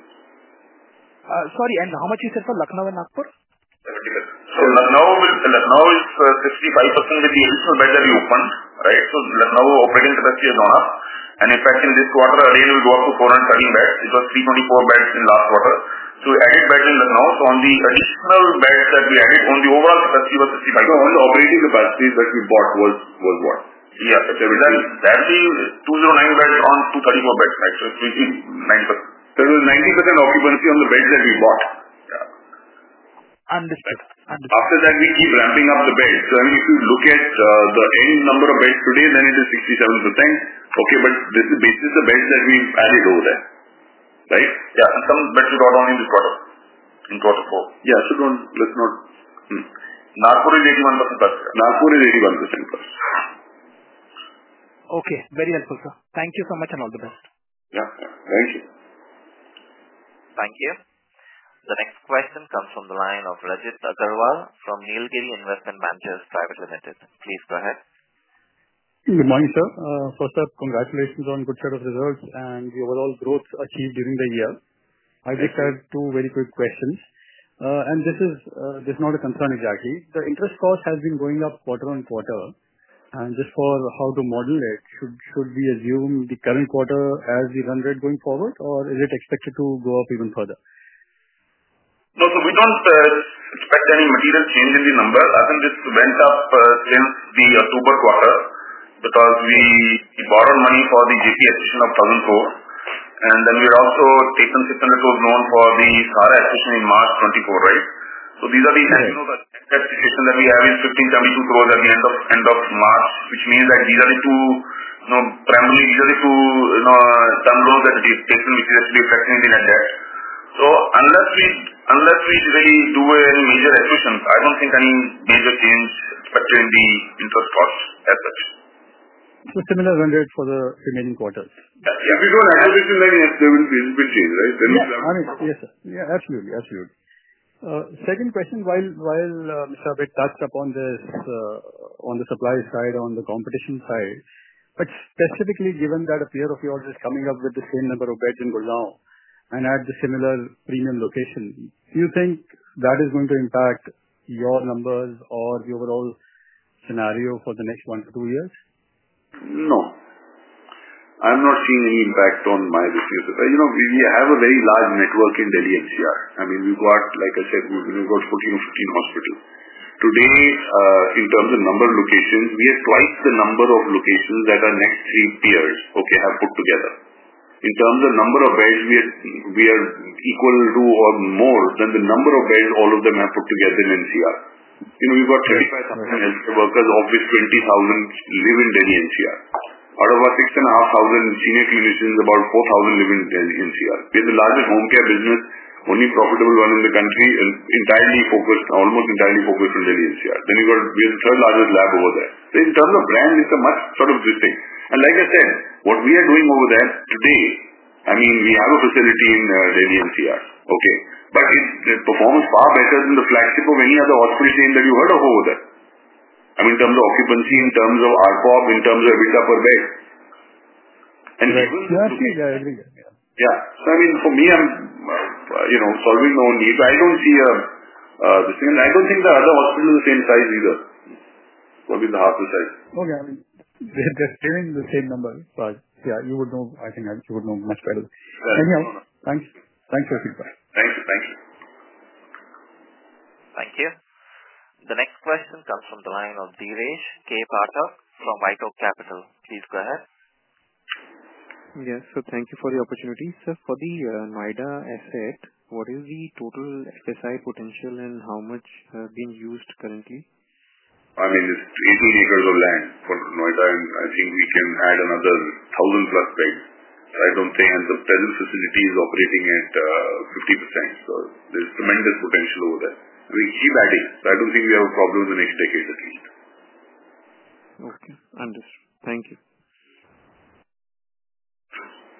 Sorry, and how much you said for Lucknow and Nagpur? Lucknow is 65% with the additional beds that we opened, right? Lucknow operating capacity has gone up. In fact, in this quarter, again, we go up to 430 beds. It was 324 beds in last quarter. We added beds in Lucknow. On the additional beds that we added, the overall capacity was 65%. On the operating capacity that we bought was what? Yeah. That means 209 beds on 234 beds, right? It is 90%. There was 90% occupancy on the beds that we bought. Understood. Understood. After that, we keep ramping up the beds. I mean, if you look at the end number of beds today, then it is 67%. Okay, but this is basically the beds that we added over there, right? Yeah. Some beds we got only this quarter. In quarter four. Yeah. Let's note Nagpur is 81%+. Nagpur is 81%+. Okay. Very helpful, sir. Thank you so much and all the best. Yeah. Thank you. Thank you. The next question comes from the line of [Rajith Agarwal from Neelkanth Investment Managers]. Please go ahead. Good morning, sir. First up, congratulations on good share of results and the overall growth achieved during the year. I just had two very quick questions. This is not a concern exactly. The interest cost has been going up quarter on quarter. Just for how to model it, should we assume the current quarter as the run rate going forward, or is it expected to go up even further? No, we don't expect any material change in the number. I think this went up since the October quarter because we borrowed money for the Jaypee acquisition of 1,000 crore. We also taken INR 600 crore loan for the [SARA] acquisition in March 2024, right? These are the end-to-end acquisitions that we have, INR 1,572 crore at the end of March, which means that these are the two, primarily, these are the two term loans that we've taken, which is actually reflecting in the net debt. Unless we really do any major acquisitions, I don't think any major change expected in the interest cost as such. Similar run rate for the remaining quarters. If we do an acquisition, then it will change, right? Yeah. I mean, yes, sir. Yeah. Absolutely. Absolutely. Second question, while Mr. Abhay touched upon this on the supply side, on the competition side, but specifically given that a peer of yours is coming up with the same number of beds in Gurgaon and at the similar premium location, do you think that is going to impact your numbers or the overall scenario for the next one to two years? No. I'm not seeing any impact on my decision. We have a very large network in Delhi NCR. I mean, we've got, like I said, we've got 14 or 15 hospitals. Today, in terms of number of locations, we have twice the number of locations that our next three peers, okay, have put together. In terms of number of beds, we are equal to or more than the number of beds all of them have put together in NCR. We've got 35,000 healthcare workers, of which 20,000 live in Delhi NCR. Out of our 6,500 senior clinicians, about 4,000 live in Delhi NCR. We are the largest home care business, only profitable one in the country, entirely focused, almost entirely focused on Delhi NCR. We have the third largest lab over there. In terms of brand, it's a much sort of good thing. Like I said, what we are doing over there today, I mean, we have a facility in Delhi NCR, okay, but it performs far better than the flagship of any other hospital chain that you heard of over there. I mean, in terms of occupancy, in terms of ARPOB, in terms of EBITDA per bed. Even yeah. For me, I'm solving my own need. I don't see a distinction. I don't think the other hospital is the same size either. Probably half the size. Okay. They're sharing the same number, but yeah, you would know, I think you would know much better. Anyhow, thanks. Thanks for speaking. Thank you. Thank you. Thank you. The next question comes from the line of Dheeresh K. Pathak from White Oak Capital. Please go ahead. Yes. Thank you for the opportunity. For the Noida asset, what is the total SSI potential and how much has been used currently? I mean, it's 18 acres of land for Noida, and I think we can add another 1,000+ beds. I don't think, and the present facility is operating at 50%. There's tremendous potential over there. I mean, keep adding. I don't think we have a problem in the next decade at least. Okay. Understood. Thank you.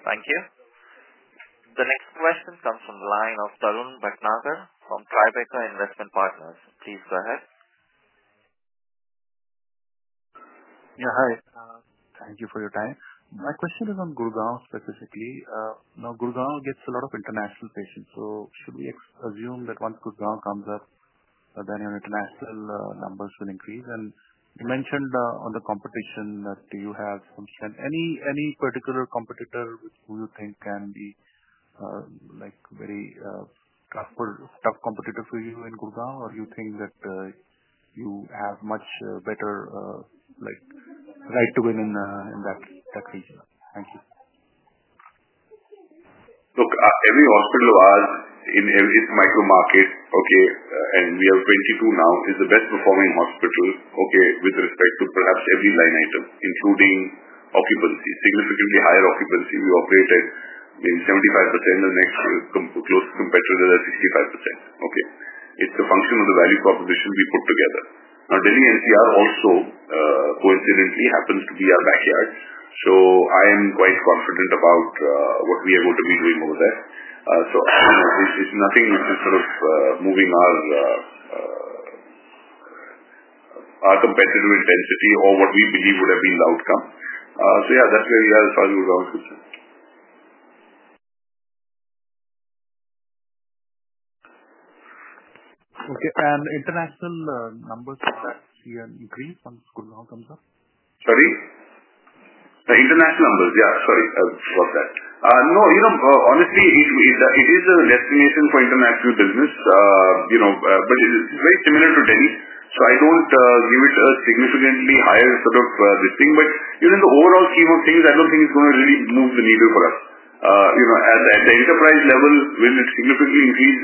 Thank you. The next question comes from the line of Tarun Bhatnagar from Tribeca Investment Partners. Please go ahead. Yeah. Hi. Thank you for your time. My question is on Gurgaon specifically. Now, Gurgaon gets a lot of international patients. Should we assume that once Gurgaon comes up, then your international numbers will increase? You mentioned on the competition that you have some strength. Any particular competitor who you think can be a very tough competitor for you in Gurgaon, or you think that you have much better right to win in that region? Thank you. Look, every hospital of ours in every micro market, okay, and we have 22 now, is the best-performing hospital, okay, with respect to perhaps every line item, including occupancy. Significantly higher occupancy. We operate at maybe 75%, and next closest competitor is at 65%. It is a function of the value proposition we put together. Now, Delhi NCR also, coincidentally, happens to be our backyard. I am quite confident about what we are going to be doing over there. It is nothing which is sort of moving our competitive intensity or what we believe would have been the outcome. Yeah, that is where we are as far as Gurgaon is concerned. Okay. International numbers seem to increase once Gurgaon comes up? Sorry? International numbers. Yeah. Sorry. I forgot that. No, honestly, it is a destination for international business, but it is very similar to Delhi. I do not give it a significantly higher sort of this thing. In the overall scheme of things, I do not think it is going to really move the needle for us. At the enterprise level, will it significantly increase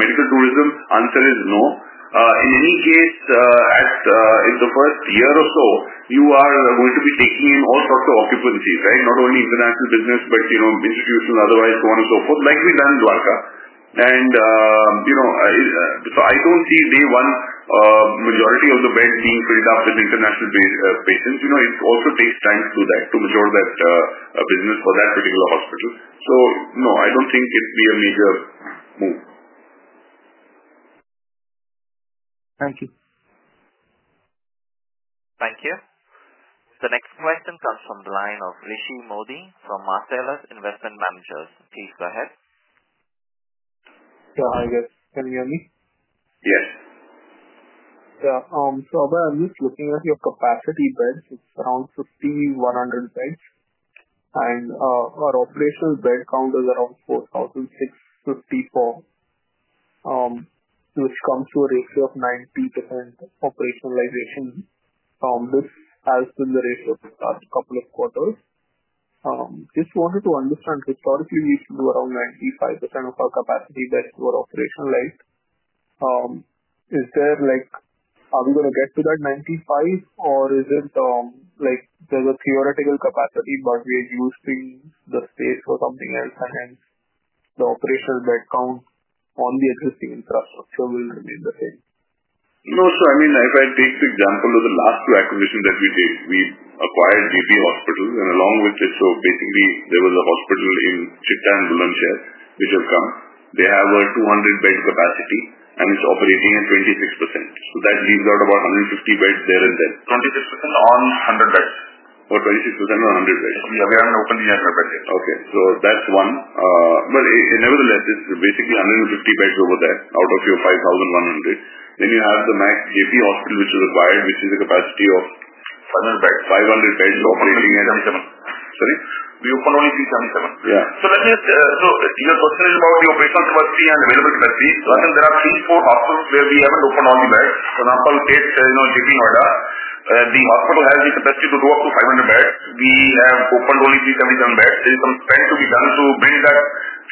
medical tourism? Answer is no. In any case, in the first year or so, you are going to be taking in all sorts of occupancies, right? Not only international business, but institutional, otherwise, so on and so forth, like we've done in Dwarka. I don't see day one majority of the beds being filled up with international patients. It also takes time to do that, to mature that business for that particular hospital. No, I don't think it'd be a major move. Thank you. Thank you. The next question comes from the line of Rishi Modi from Marcellus Investment Managers. Please go ahead. Yeah. Hi, guys. Can you hear me? Yes. Yeah. I'm just looking at your capacity beds. It's around 5,100 beds. And our operational bed count is around 4,654, which comes to a ratio of 90% operationalization. This has been the ratio for the last couple of quarters. Just wanted to understand, historically, we used to do around 95% of our capacity beds were operationalized. Are we going to get to that 95%, or is it there's a theoretical capacity, but we are using the space for something else, and hence the operational bed count on the existing infrastructure will remain the same? No, sir. I mean, if I take the example of the last two acquisitions that we did, we acquired Jaypee Hospital, and along with it, so basically, there was a hospital in Chitta and Dullanshere, which has come. They have a 200-bed capacity, and it's operating at 26%. So that leaves out about 150 beds there and then. 26% on 100 beds? Or 26% on 100 beds? We haven't opened the 100 bed yet. Okay. So that's one. Nevertheless, it's basically 150 beds over there out of your 5,100. Then you have the Jaypee Hospital, which is acquired, which is a capacity of 500 beds. 500 beds operating at 377. Sorry? We opened only 377. Yeah. Let me just, so your question is about the operational capacity and available capacity. I think there are three, four hospitals where we haven't opened all the beds. For example, Jaypee and Noida. The hospital has the capacity to go up to 500 beds. We have opened only 377 beds. There is some spend to be done to bring that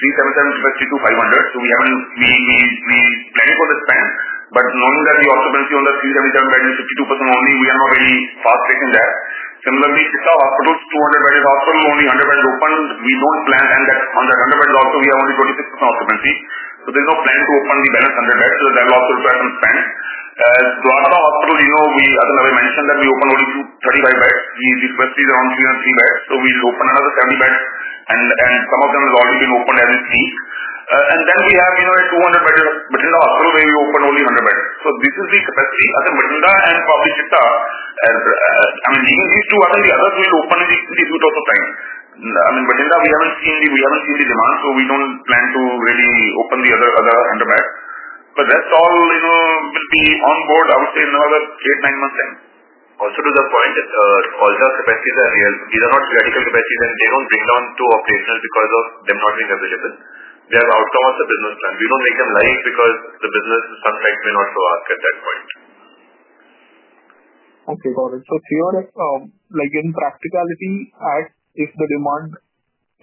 377 capacity to 500. We're planning for the spend. Knowing that the occupancy on that 377 beds is 52% only, we are not really fast tracking that. Similarly, Chitta Hospital, 200 beds hospital, only 100 beds opened. We don't plan on that 100 beds. Also, we have only 26% occupancy. There's no plan to open the balance 100 beds. That will also require some spend. Dwarka Hospital, as I mentioned, we opened only 35 beds. The capacity is around 303 beds. We will open another 70 beds. Some of them have already been opened as we speak. We have a 200-bed Bathinda hospital where we opened only 100 beds. This is the capacity. I think Bathinda and probably Chitta, I mean, leaving these two, the others will open in the future of time. I mean, Bathinda, we have not seen the demand, so we do not plan to really open the other 100 beds. That is all will be on board, I would say, in another 8-9 months' time. Also to the point, all the capacities are real. These are not theoretical capacities, and they do not bring down to operational because of them not being available. They are the outcome of the business plan. We don't make them live because the business, in some facts, may not survive at that point. Okay. Got it. In practicality, if the demand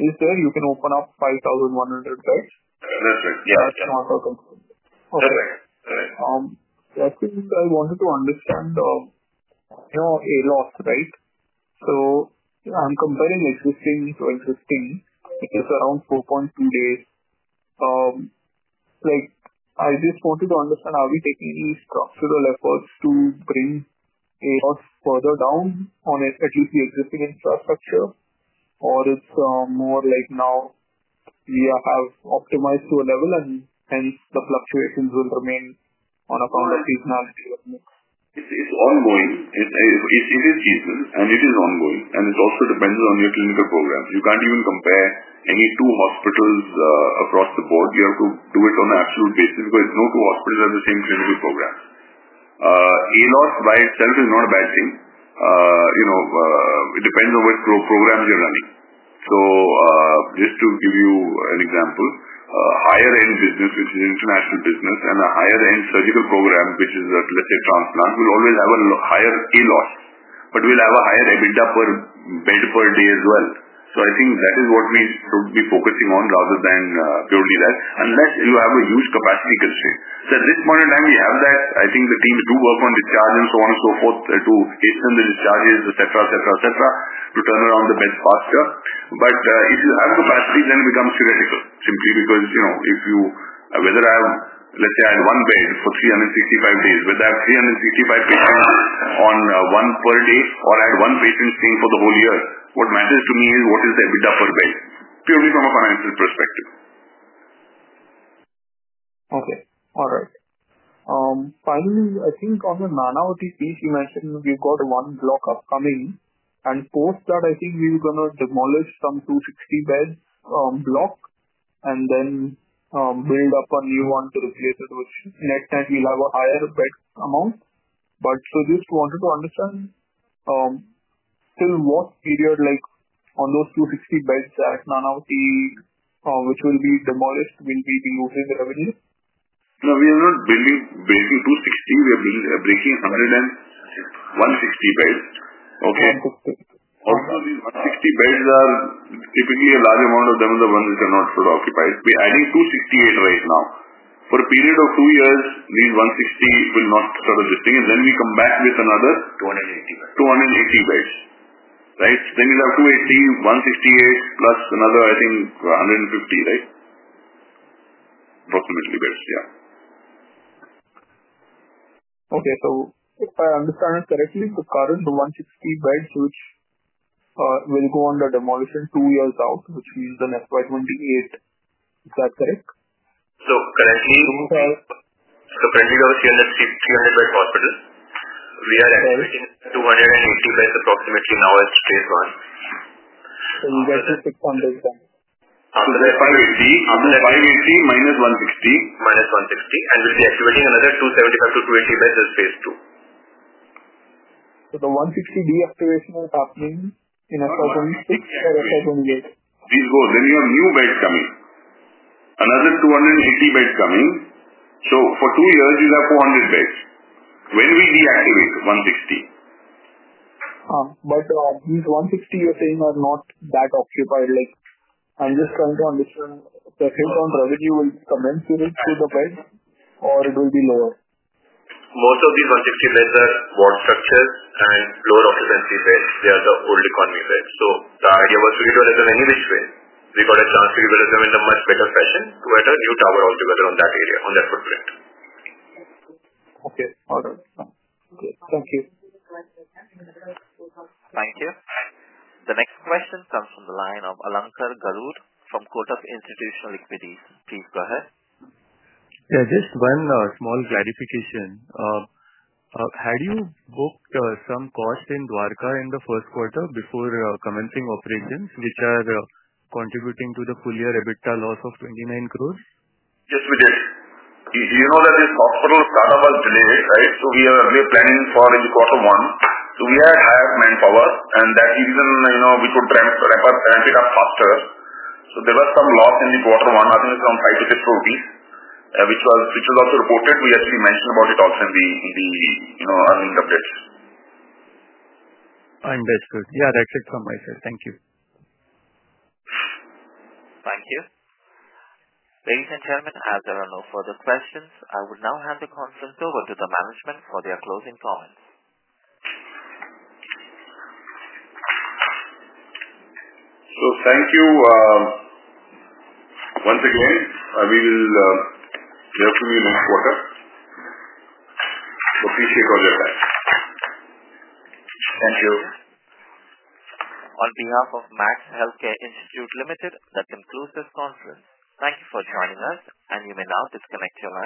is there, you can open up 5,100 beds? That's right. Yeah. That's not a concern. Okay. That's right. That's right. I think I wanted to understand ALOS, right? I'm comparing existing to existing. It's around 4.2 days. I just wanted to understand, are we taking any structural efforts to bring ALOS further down on at least the existing infrastructure, or it's more like now we have optimized to a level, and hence the fluctuations will remain on account of seasonality? It's ongoing. It is seasonal, and it is ongoing. It also depends on your clinical program. You can't even compare any two hospitals across the board. You have to do it on an absolute basis because no two hospitals have the same clinical program. ALOS by itself is not a bad thing. It depends on what programs you're running. Just to give you an example, a higher-end business, which is an international business, and a higher-end surgical program, which is, let's say, transplant, will always have a higher ALOS, but will have a higher EBITDA per bed per day as well. I think that is what we should be focusing on rather than purely that, unless you have a huge capacity constraint. At this point in time, we have that. I think the teams do work on discharge and so on and so forth to hasten the discharges, etc., etc., etc., to turn around the beds faster. But if you have capacity, then it becomes theoretical simply because if you, whether I have, let's say, I had one bed for 365 days, whether I have 365 patients on one per day or I had one patient staying for the whole year, what matters to me is what is the EBITDA per bed, purely from a financial perspective. Okay. All right. Finally, I think on the Nanavati piece, you mentioned you've got one block upcoming. And post that, I think we're going to demolish some 260-bed block and then build up a new one to replace it, which net net we'll have a higher bed amount. Just wanted to understand still what period on those 260 beds at Nanavati, which will be demolished, will be the usage revenue? No, we are not building 260. We are breaking 160 beds. Okay. 160. Almost these 160 beds are typically a large amount of them are the ones that are not fully occupied. We're adding 268 right now. For a period of two years, these 160 will not sort of this thing. Then we come back with another 280 beds. 280 beds. Right? You'll have 280, 168, plus another, I think, 150, right? Approximately beds. Yeah. Okay. If I understand it correctly, the current 160 beds, which will go under demolition two years out, which means the next by 2028. Is that correct? Currently, we have a 300-bed hospital. We are activating 280 beds approximately now at phase one. You get to 600 then. After the 580, after the 580, minus 160. Minus 160. We'll be activating another 275 to 280 beds at phase two. The 160 deactivation is happening in FY2026 or FY2028? Please go. You have new beds coming. Another 280 beds coming. For two years, you'll have 400 beds when we deactivate 160. These 160 you're saying are not that occupied. I'm just trying to understand, the return revenue will come in to the beds or it will be lower? Most of these 160 beds are wall structures and lower occupancy beds. They are the old economy beds. The idea was to utilize them any which way. We got a chance to utilize them in a much better fashion to add a new tower altogether on that area, on that footprint. Okay. All right. Okay. Thank you. Thank you. The next question comes from the line of Alankar Garude from Kotak Institutional Equities. Please go ahead. Yeah. Just one small clarification. Had you booked some cost in Dwarka in the first quarter before commencing operations, which are contributing to the full year EBITDA loss of 29 crore? Yes, we did. You know that this hospital startup was delayed, right? We are planning for quarter one. We had higher manpower, and that even we could ramp it up faster. There was some loss in quarter one. I think it is around 5 crore-6 crore rupees, which was also reported. We actually mentioned about it also in the earnings updates. I understood. Yeah, that is it from my side. Thank you. Thank you. Ladies and gentlemen, as there are no further questions, I will now hand the conference over to the management for their closing comments. Thank you once again. We will hear from you next quarter. Appreciate all your time. Thank you. On behalf of Max Healthcare Institute Limited, that concludes this conference. Thank you for joining us, and you may now disconnect your line.